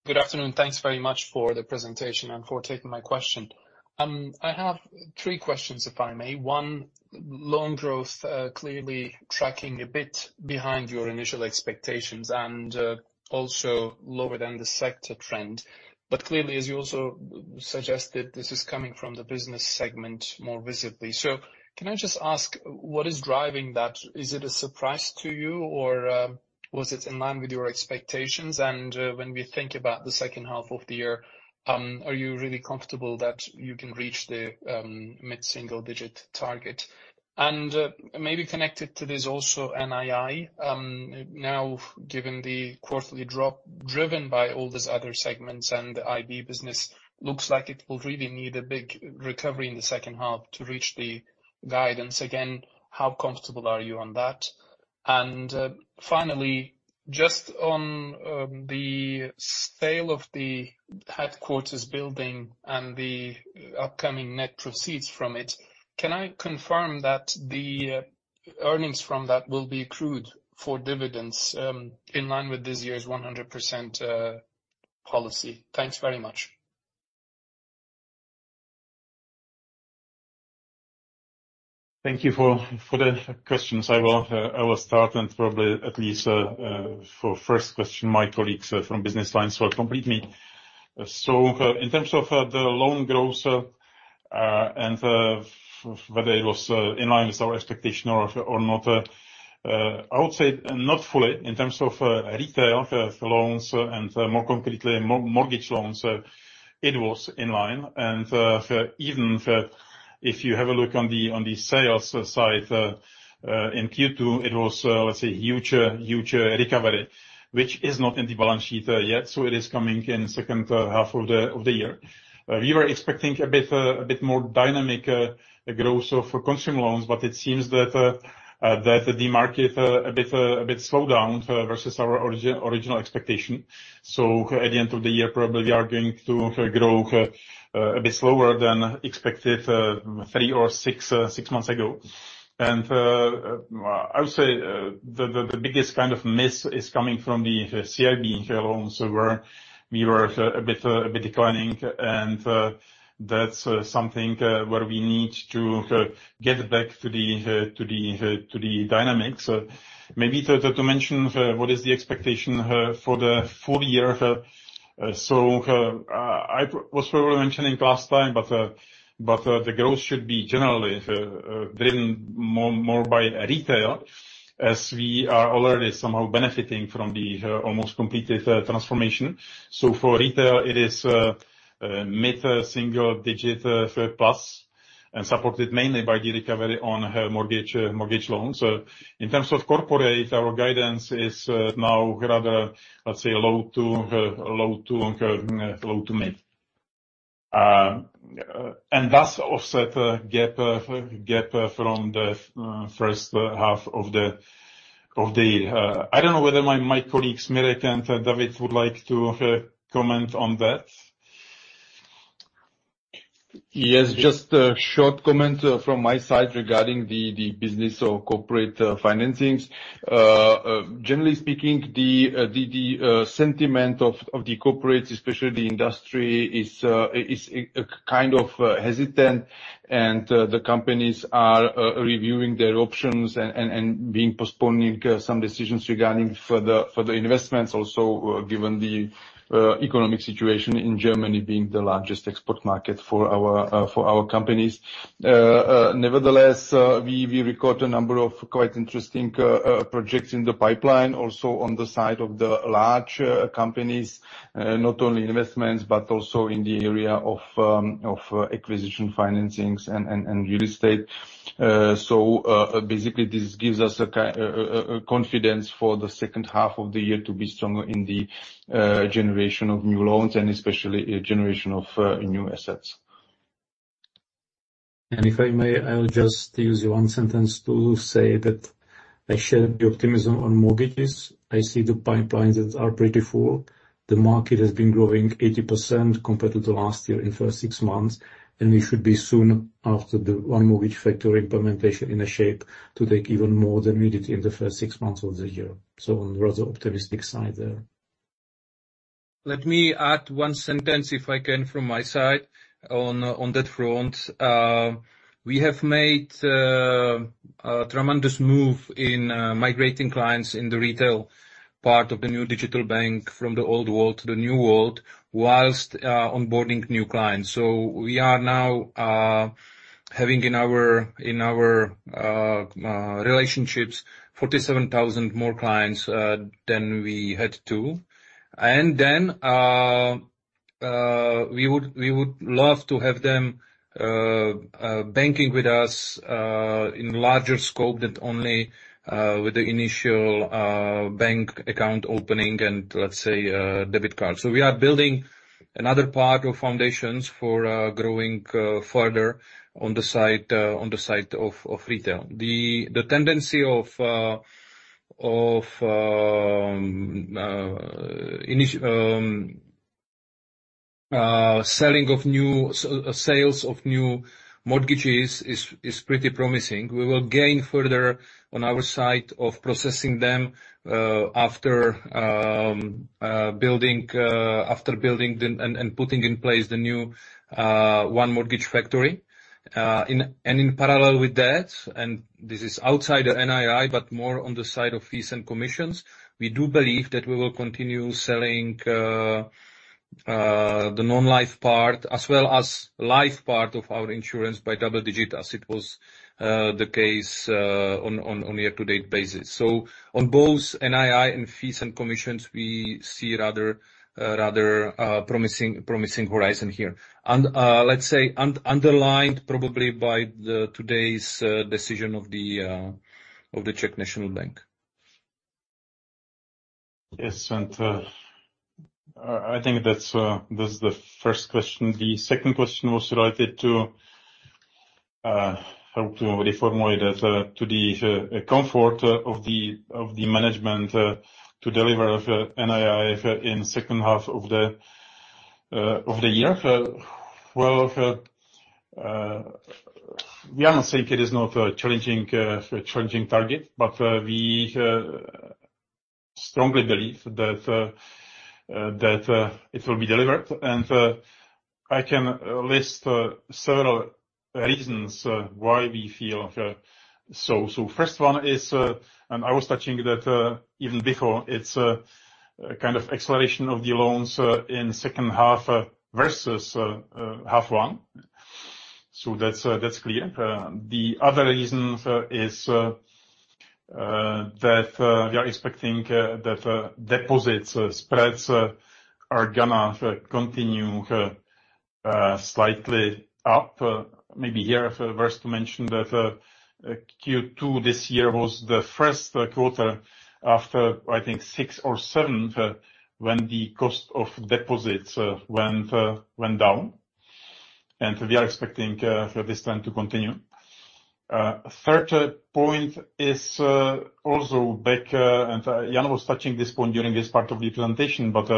Good afternoon. Thanks very much for the presentation and for taking my question. I have three questions, if I may. One, loan growth, clearly tracking a bit behind your initial expectations and, also lower than the sector trend. But clearly, as you also suggested, this is coming from the business segment more visibly. So can I just ask, what is driving that? Is it a surprise to you, or, was it in line with your expectations? And, when we think about the second half of the year, are you really comfortable that you can reach the, mid-single-digit target? And, maybe connected to this, also, NII. Now, given the quarterly drop, driven by all these other segments and the IB business, looks like it will really need a big recovery in the second half to reach the guidance. Again, how comfortable are you on that? And, finally, just on, the scale of the headquarters building and the upcoming net proceeds from it, can I confirm that the earnings from that will be accrued for dividends, in line with this year's 100%, policy? Thanks very much. Thank you for the questions. I will start, and probably at least for first question, my colleagues from business lines will complete me. So, in terms of the loan growth, and whether it was in line with our expectation or not, I would say not fully. In terms of retail loans and more completely, mortgage loans, it was in line. And even if you have a look on the sales side, in Q2, it was let's say huge huge recovery, which is not in the balance sheet yet, so it is coming in second half of the year. We were expecting a bit more dynamic growth of consumer loans, but it seems that the market a bit slowed down versus our original expectation. So at the end of the year, probably, we are going to grow a bit slower than expected 3 or 6 months ago. And I would say the biggest kind of miss is coming from the CIB loans, where we were a bit declining, and that's something where we need to get back to the dynamics. Maybe to mention what is the expectation for the full year: So, I was probably mentioning last time, but the growth should be generally driven more by retail, as we are already somehow benefiting from the almost completed transformation. So for retail, it is mid-single-digit plus, and supported mainly by the recovery on mortgage loans. In terms of corporate, our guidance is now rather, let's say, low to mid. And thus, offset gap from the first half of the year. I don't know whether my colleagues, Mirek and David, would like to comment on that. Yes, just a short comment from my side regarding the business of corporate financings. Generally speaking, the sentiment of the corporates, especially the industry, is kind of hesitant, and the companies are reviewing their options and being postponing some decisions regarding further investments, also given the economic situation in Germany being the largest export market for our companies. Nevertheless, we record a number of quite interesting projects in the pipeline, also on the side of the large companies, not only investments, but also in the area of acquisition financings and real estate. Basically, this gives us a confidence for the second half of the year to be stronger in the generation of new loans and especially a generation of new assets. And if I may, I'll just use one sentence to say that I share the optimism on mortgages. I see the pipelines are pretty full. The market has been growing 80% compared to the last year in first six months, and we should be soon after the One Mortgage Factory implementation in a shape to take even more than we did in the first six months of the year. So on rather optimistic side there. Let me add one sentence, if I can, from my side on that front. We have made a tremendous move in migrating clients in the retail part of the new digital bank from the old world to the new world whilst onboarding new clients. So we are now having in our relationships 47,000 more clients than we had to. And then we would love to have them banking with us in larger scope than only with the initial bank account opening and, let's say, debit card. So we are building another part of foundations for growing further on the side of retail. The tendency of initial— Sales of new mortgages is pretty promising. We will gain further on our side of processing them after building them and putting in place the new One Mortgage Factory. And in parallel with that, and this is outside the NII, but more on the side of fees and commissions, we do believe that we will continue selling the non-life part, as well as life part of our insurance by double-digit, as it was the case on year-to-date basis. So on both NII and fees and commissions, we see rather promising horizon here. And let's say underlined probably by today's decision of the Czech National Bank. Yes, and, I think that's, that's the first question. The second question was related to, how to reword that, to the comfort of the management, to deliver the NII in second half of the year. Well, we are not saying it is not a challenging, challenging target, but, we strongly believe that, that, it will be delivered. And, I can list, several reasons, why we feel, so. So first one is, and I was touching that, even before, it's a kind of expansion of the loans, in second half, versus, half one. So that's, that's clear. The other reason is that we are expecting that deposits spreads are gonna continue slightly up. Maybe here, it's worth to mention that Q2 this year was the first quarter after, I think, six or seven when the cost of deposits went down, and we are expecting for this trend to continue. Third point is also back, and Jan was touching this point during this part of the presentation, but,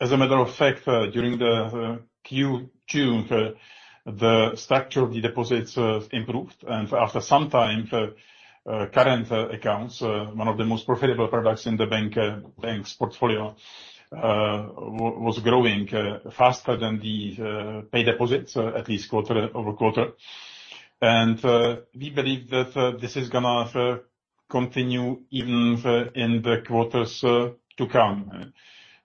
as a matter of fact, during the Q2, the structure of the deposits improved. And after some time, current accounts, one of the most profitable products in the bank's portfolio, was growing faster than the pay deposits, at least quarter-over-quarter. We believe that this is gonna continue even in the quarters to come.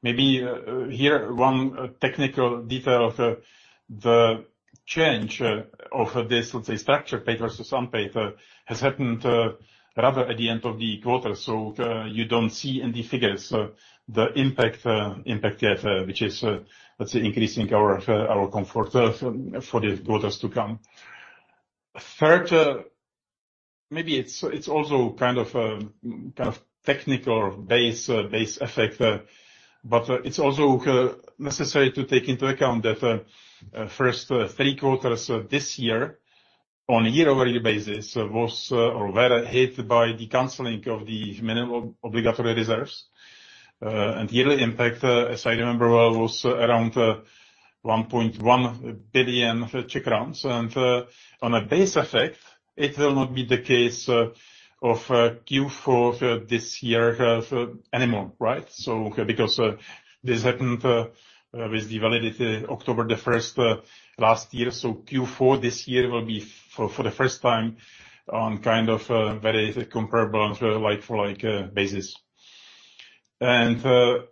Maybe here, one technical detail of the change of this, let's say, structure, paid versus unpaid, has happened rather at the end of the quarter, so you don't see in the figures the impact which is, let's say, increasing our comfort for the quarters to come. Third, maybe it's also kind of a kind of technical base effect, but it's also necessary to take into account that first three quarters this year, on a year-over-year basis, was or were hit by the canceling of the minimum obligatory reserves. And the yearly impact, as I remember well, was around 1.1 billion Czech crowns. And on a base effect, it will not be the case of Q4 for this year anymore, right? So because this happened with the validity October the first last year, so Q4 this year will be for the first time on kind of very comparable and like-for-like basis. And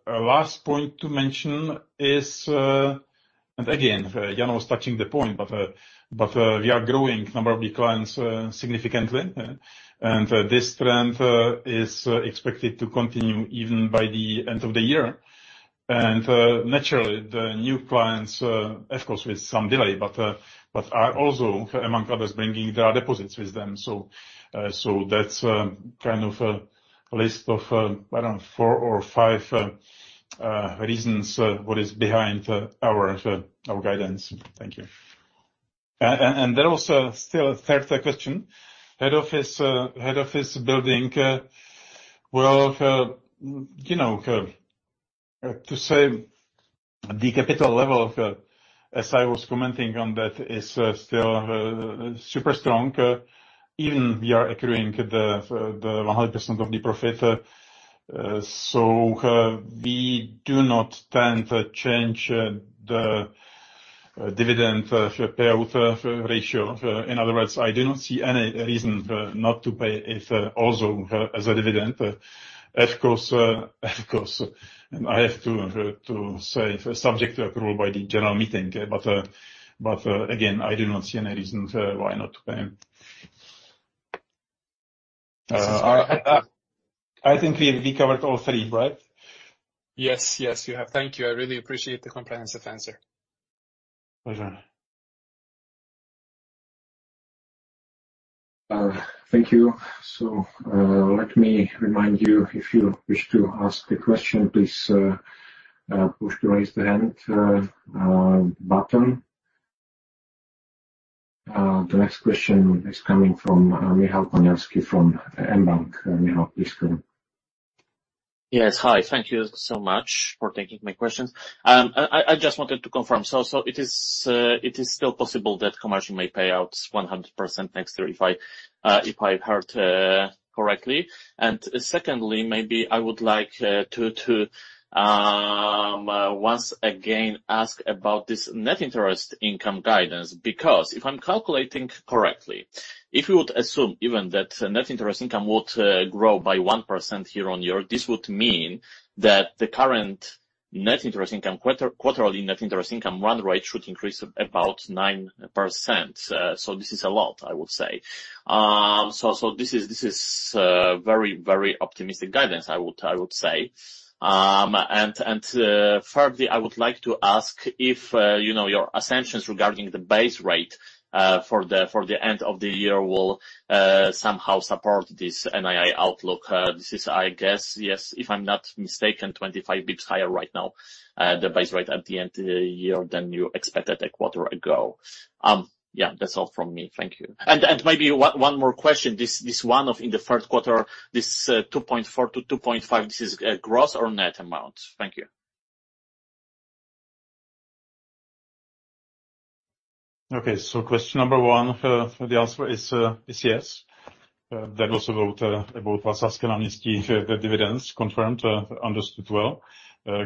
last point to mention is—and again, Jan was touching the point, but we are growing number of clients significantly, and this trend is expected to continue even by the end of the year. And naturally, the new clients of course, with some delay, but are also, among others, bringing their deposits with them. So, that's kind of a list of, I don't know, four or five reasons what is behind our guidance. Thank you. And there was still a third question. Head office, head office building. Well, you know, to say the capital level of, as I was commenting on that, is still super strong, even we are accruing the 100% of the profit. So, we do not tend to change the dividend payout ratio. In other words, I do not see any reason not to pay it also as a dividend. Of course, of course, I have to say, subject to approval by the general meeting, but, but, again, I do not see any reason why not to pay. I, I think we, we covered all three, right? Yes. Yes, you have. Thank you. I really appreciate the comprehensive answer. Pleasure. Thank you. So, let me remind you, if you wish to ask a question, please push the raise hand button. The next question is coming from Michał Konarski from mBank. Michał, please go on. Yes. Hi, thank you so much for taking my questions. I just wanted to confirm: so it is still possible that Komerční may pay out 100% next year, if I heard correctly. And secondly, maybe I would like to once again ask about this net interest income guidance. Because if I'm calculating correctly, if you would assume even that net interest income would grow by 1% year-on-year, this would mean that the current quarterly net interest income run rate should increase about 9%. So this is a lot, I would say. So this is very optimistic guidance, I would say. Thirdly, I would like to ask if you know your assumptions regarding the base rate for the end of the year will somehow support this NII outlook. This is, I guess, yes, if I'm not mistaken, 25 basis points higher right now, the base rate at the end of the year than you expected a quarter ago. Yeah, that's all from me. Thank you. And maybe one more question. This one-off in the first quarter, this 2.4 billion-2.5 billion, this is gross or net amount? Thank you. Okay, so question number one, the answer is yes. That was about IFRS and IFRIC, the dividends confirmed, understood well.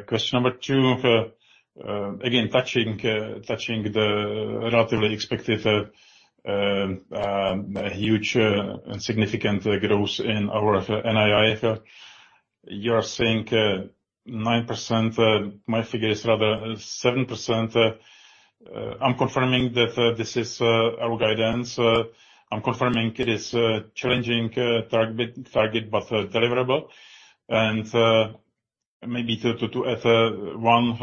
Question number two, again, touching the relatively expected huge and significant growth in our NII. You are saying 9%, my figure is rather 7%. I'm confirming that this is our guidance. I'm confirming it is a challenging target, but deliverable. And maybe to add one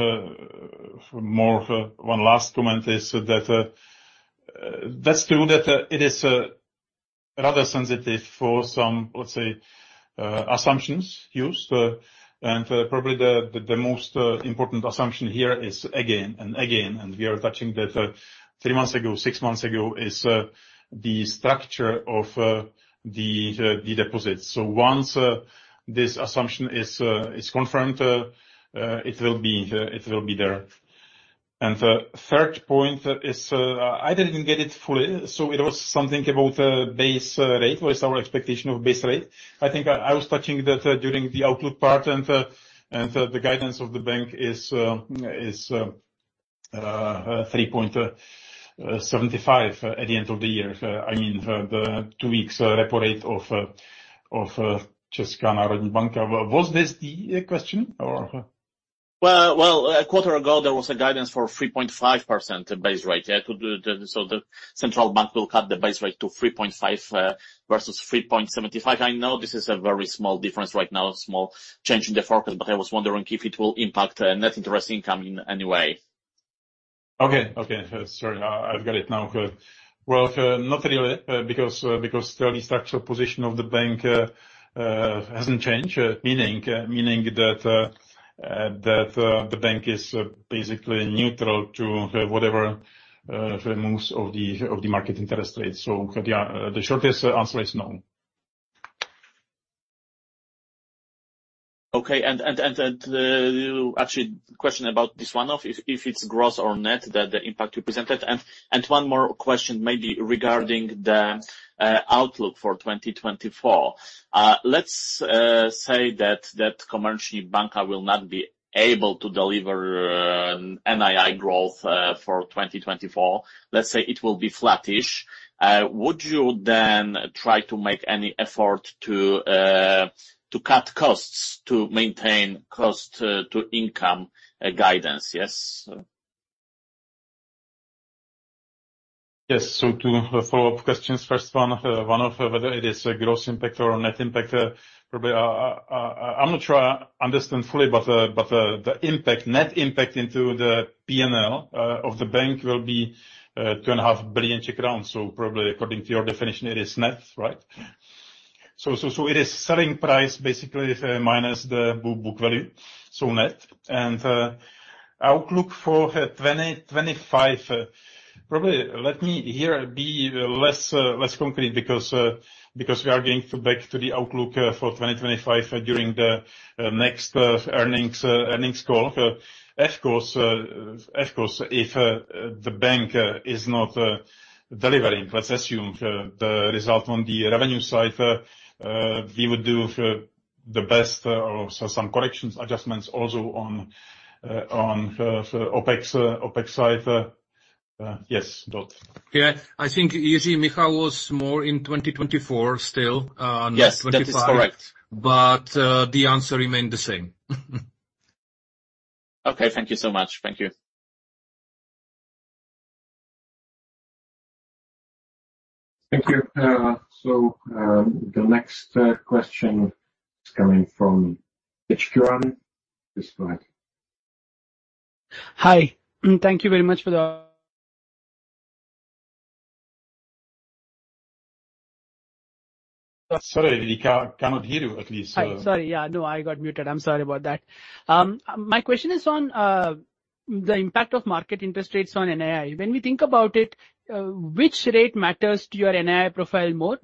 more one last comment is that that's true, that it is rather sensitive for some, let's say, assumptions used. And probably the most important assumption here is again and again, and we are touching that three months ago, six months ago, is the structure of the deposits. So once this assumption is confirmed, it will be there. And the third point is, I didn't get it fully, so it was something about base rate. What is our expectation of base rate? I think I was touching that during the outlook part, and the guidance of the bank is 3.75 at the end of the year. I mean, the two weeks repo rate of Česká národní banka. Was this the question? Or... Well, well, a quarter ago, there was a guidance for 3.5% base rate. Yeah. So the central bank will cut the base rate to 3.5% versus 3.75%. I know this is a very small difference right now, a small change in the forecast, but I was wondering if it will impact net interest income in any way. Okay, okay. Sorry, I've got it now. Well, not really, because the structural position of the bank hasn't changed. Meaning that the bank is basically neutral to whatever moves of the market interest rates. So, yeah, the shortest answer is no. Okay, actually, question about this one, if it's gross or net, the impact you presented. One more question, maybe regarding the outlook for 2024. Let's say that Komerční banka will not be able to deliver NII growth for 2024. Let's say it will be flattish. Would you then try to make any effort to cut costs, to maintain cost to income guidance, yes? Yes. So two follow-up questions. First one, one of whether it is a gross impact or a net impact. Probably, I'm not sure I understand fully, but the impact, net impact into the P&L, of the bank will be 2.5 billion Czech crowns. So probably according to your definition, it is net, right? So it is selling price, basically, minus the book value, so net. And outlook for 2025, probably let me here be less concrete, because we are getting back to the outlook for 2025 during the next earnings call. Of course, of course, if the bank is not delivering, let's assume the result on the revenue side, we would do the best or some corrections, adjustments also on the OpEx side. Yes, Jan. Yeah, I think easy, Michał, was more in 2024 still than 2025. Yes, that is correct. But, the answer remained the same. Okay. Thank you so much. Thank you. Thank you. So, the next question is coming from Cihan. Please go ahead. Hi, thank you very much for the— Sorry, we cannot hear you, at least. Sorry. Yeah, no, I got muted. I'm sorry about that. My question is on the impact of market interest rates on NII. When we think about it, which rate matters to your NII profile more?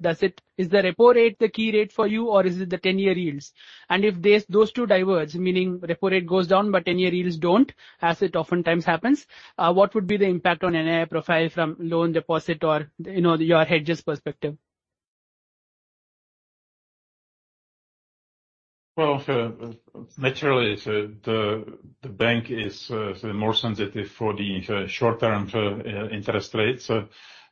Is the repo rate the key rate for you, or is it the 10-year yields? And if these, those two diverge, meaning repo rate goes down, but 10-year yields don't, as it oftentimes happens, what would be the impact on NII profile from loan deposit or, you know, your hedges perspective? Well, naturally, the bank is more sensitive for the short-term interest rates,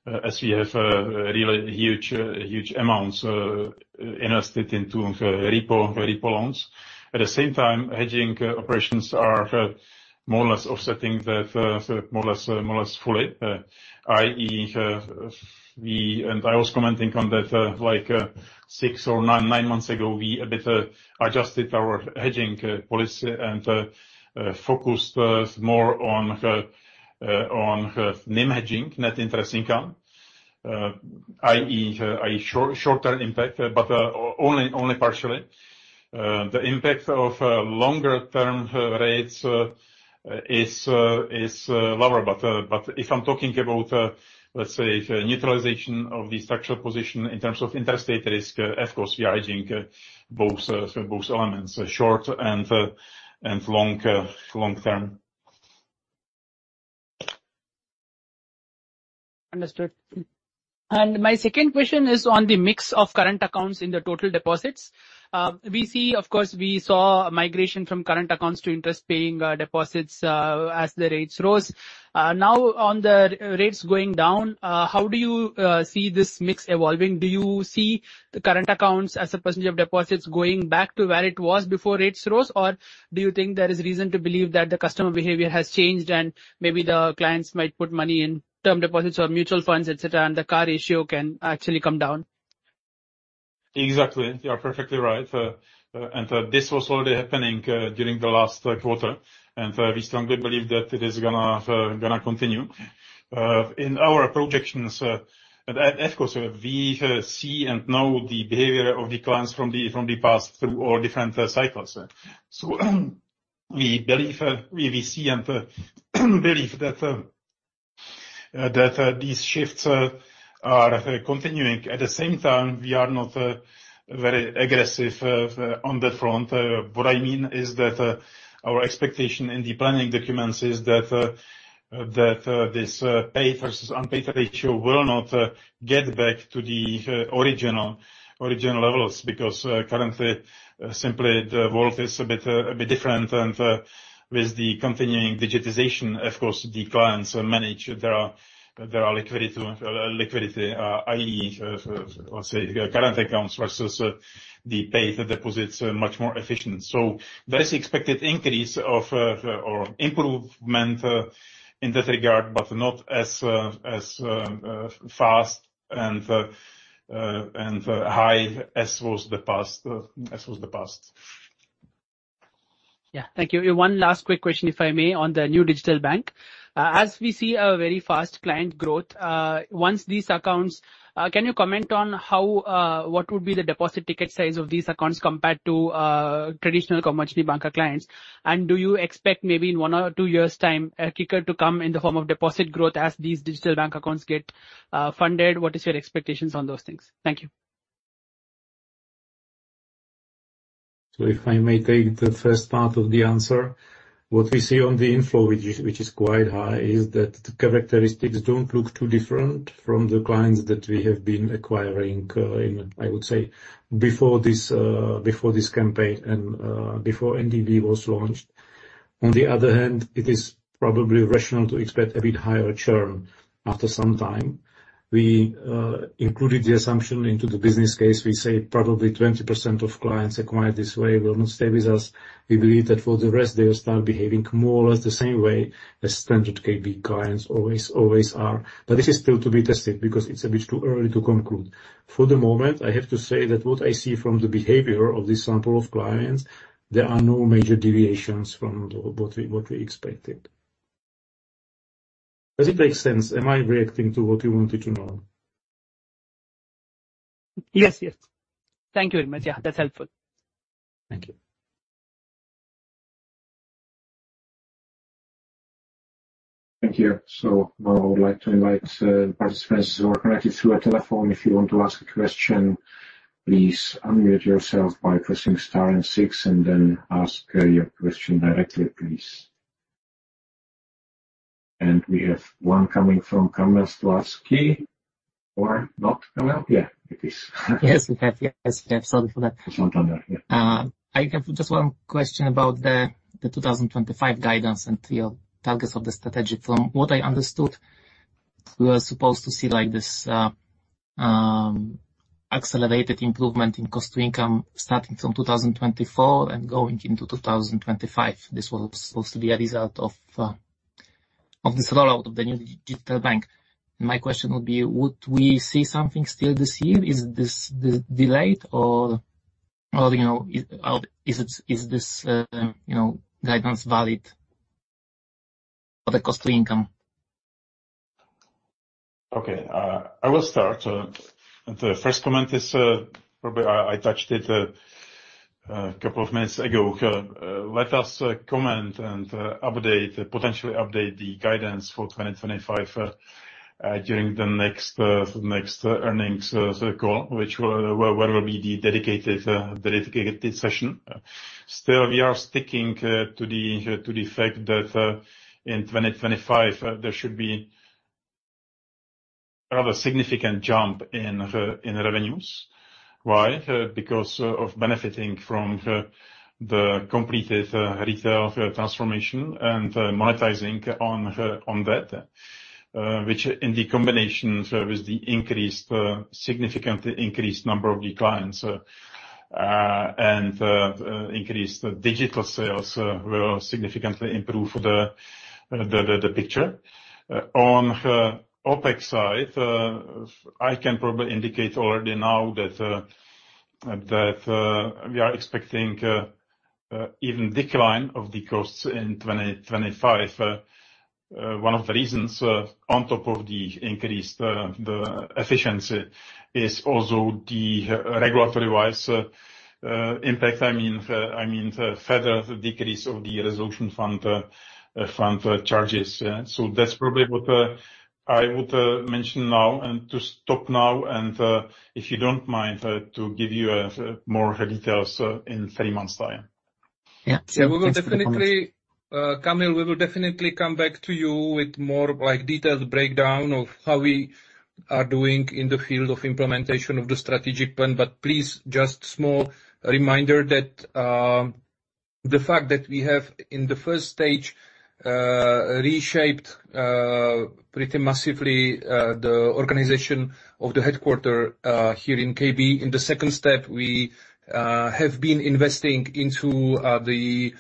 as we have really huge amounts invested into repo loans. At the same time, hedging operations are more or less offsetting that, more or less fully. i.e., And I was commenting on that, like, 6 or 9 months ago, we a bit adjusted our hedging policy and focused more on on NIM hedging, net interest income. i.e., a short-term impact, but only partially. The impact of longer-term rates is lower. But if I'm talking about, let's say, neutralization of the structural position in terms of interest rate risk, of course, we are hedging both elements, short and long term. Understood. And my second question is on the mix of current accounts in the total deposits. Of course, we saw migration from current accounts to interest-paying deposits as the rates rose. Now, on the rates going down, how do you see this mix evolving? Do you see the current accounts as a percentage of deposits going back to where it was before rates rose? Or do you think there is reason to believe that the customer behavior has changed, and maybe the clients might put money in term deposits or mutual funds, et cetera, and the CAR ratio can actually come down? Exactly. You are perfectly right. And this was already happening during the last quarter, and we strongly believe that it is gonna continue. In our projections, of course, we see and know the behavior of the clients from the past through all different cycles. So we believe we see and believe that these shifts are continuing. At the same time, we are not very aggressive on that front. What I mean is that our expectation in the planning documents is that this paid versus unpaid ratio will not get back to the original levels. Because, currently, simply, the world is a bit different, and with the continuing digitization, of course, the clients manage their liquidity, i.e., let's say, current accounts versus the paid deposits, much more efficient. So there is expected increase of, or improvement, in that regard, but not as fast and high as was the past. Yeah. Thank you. One last quick question, if I may, on the new digital bank. As we see a very fast client growth, can you comment on how what would be the deposit ticket size of these accounts compared to traditional commercial banker clients? And do you expect maybe in one or two years' time, a kicker to come in the form of deposit growth as these digital bank accounts get funded? What is your expectations on those things? Thank you. So if I may take the first part of the answer, what we see on the inflow, which is, which is quite high, is that the characteristics don't look too different from the clients that we have been acquiring, in, I would say, before this, before this campaign and, before NDB was launched. On the other hand, it is probably rational to expect a bit higher churn after some time. We included the assumption into the business case. We say probably 20% of clients acquired this way will not stay with us. We believe that for the rest, they will start behaving more or less the same way as standard KB clients always, always are. But this is still to be tested, because it's a bit too early to conclude. For the moment, I have to say that what I see from the behavior of this sample of clients, there are no major deviations from what we, what we expected. Does it make sense? Am I reacting to what you wanted to know? Yes, yes. Thank you very much. Yeah, that's helpful. Thank you. Thank you. So now I would like to invite, participants who are connected through a telephone, if you want to ask a question, please unmute yourself by pressing star and six, and then ask, your question directly, please. And we have one coming from Kamil Stolarski or not Kamil. Yeah, it is. Yes, we have. Yes, we have. Sorry for that. From Santander, yeah. I have just one question about the 2025 guidance and your targets of the strategy. From what I understood, we were supposed to see, like, this accelerated improvement in cost to income starting from 2024 and going into 2025. This was supposed to be a result of this rollout of the new digital bank. My question would be: Would we see something still this year? Is this delayed, or, you know, is it, is this guidance valid for the cost to income? Okay, I will start. The first comment is, probably I touched it a couple of minutes ago. Let us comment and update, potentially update the guidance for 2025 during the next earnings call, which will, where there will be the dedicated session. Still, we are sticking to the fact that in 2025 there should be a rather significant jump in revenues. Why? Because of benefiting from the completed retail transformation and monetizing on that. Which in combination with the significantly increased number of the clients and increased digital sales will significantly improve the picture. On OpEx side, I can probably indicate already now that we are expecting even decline of the costs in 2025. One of the reasons, on top of the increased efficiency, is also the regulatory-wise impact. I mean, the further decrease of the resolution fund charges, yeah. So that's probably what I would mention now, and to stop now, and if you don't mind, to give you more details in three months' time. Yeah. So we will definitely, Kamil, we will definitely come back to you with more, like, detailed breakdown of how we are doing in the field of implementation of the strategic plan. But please, just small reminder that, the fact that we have, in the first stage, reshaped, pretty massively, the organization of the headquarters, here in KB. In the second step, we have been investing into the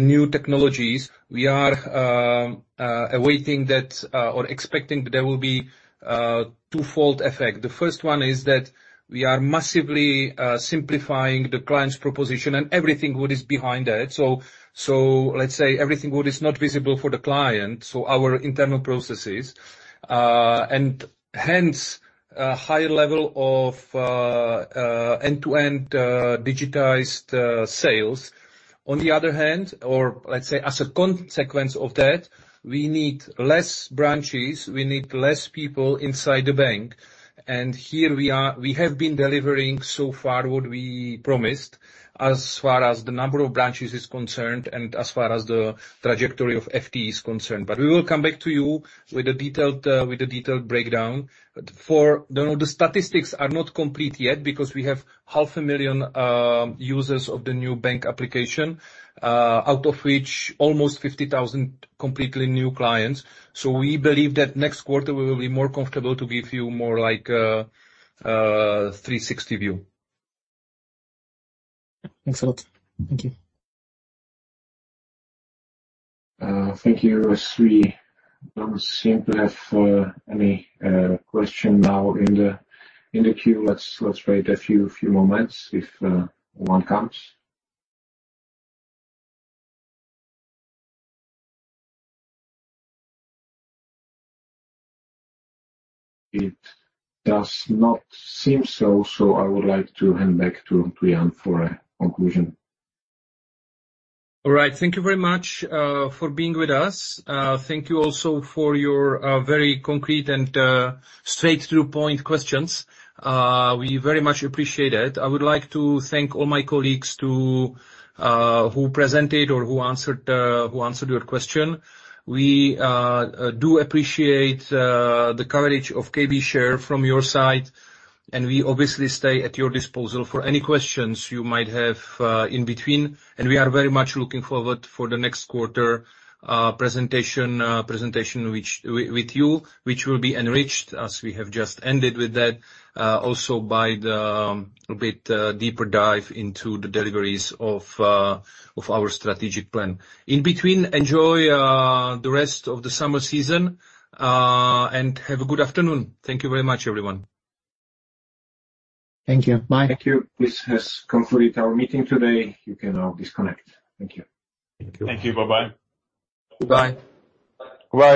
new technologies. We are awaiting that, or expecting there will be a twofold effect. The first one is that we are massively simplifying the client's proposition and everything what is behind that. So let's say everything what is not visible for the client, so our internal processes, and hence, a high level of end-to-end digitized sales. On the other hand, or let's say as a consequence of that, we need less branches, we need less people inside the bank, and here we are, we have been delivering so far what we promised as far as the number of branches is concerned and as far as the trajectory of FTE is concerned. But we will come back to you with a detailed, with a detailed breakdown. For the statistics are not complete yet because we have 500,000 users of the new bank application, out of which almost 50,000 completely new clients. So we believe that next quarter, we will be more comfortable to give you more like, 360 view. Thanks a lot. Thank you. Thank you. Don't seem to have any question now in the queue. Let's wait a few moments if one comes. It does not seem so, so I would like to hand back to Jan for a conclusion. All right. Thank you very much for being with us. Thank you also for your very concrete and straight-to-the-point questions. We very much appreciate it. I would like to thank all my colleagues who presented or who answered your question. We do appreciate the coverage of KB shares from your side, and we obviously stay at your disposal for any questions you might have in between. And we are very much looking forward for the next quarter presentation which with you, which will be enriched, as we have just ended with that, also by the with deeper dive into the deliveries of our strategic plan. In between, enjoy the rest of the summer season and have a good afternoon. Thank you very much, everyone. Thank you. Bye. Thank you. This has concluded our meeting today. You can now disconnect. Thank you. Thank you. Bye-bye. Bye-bye. Bye.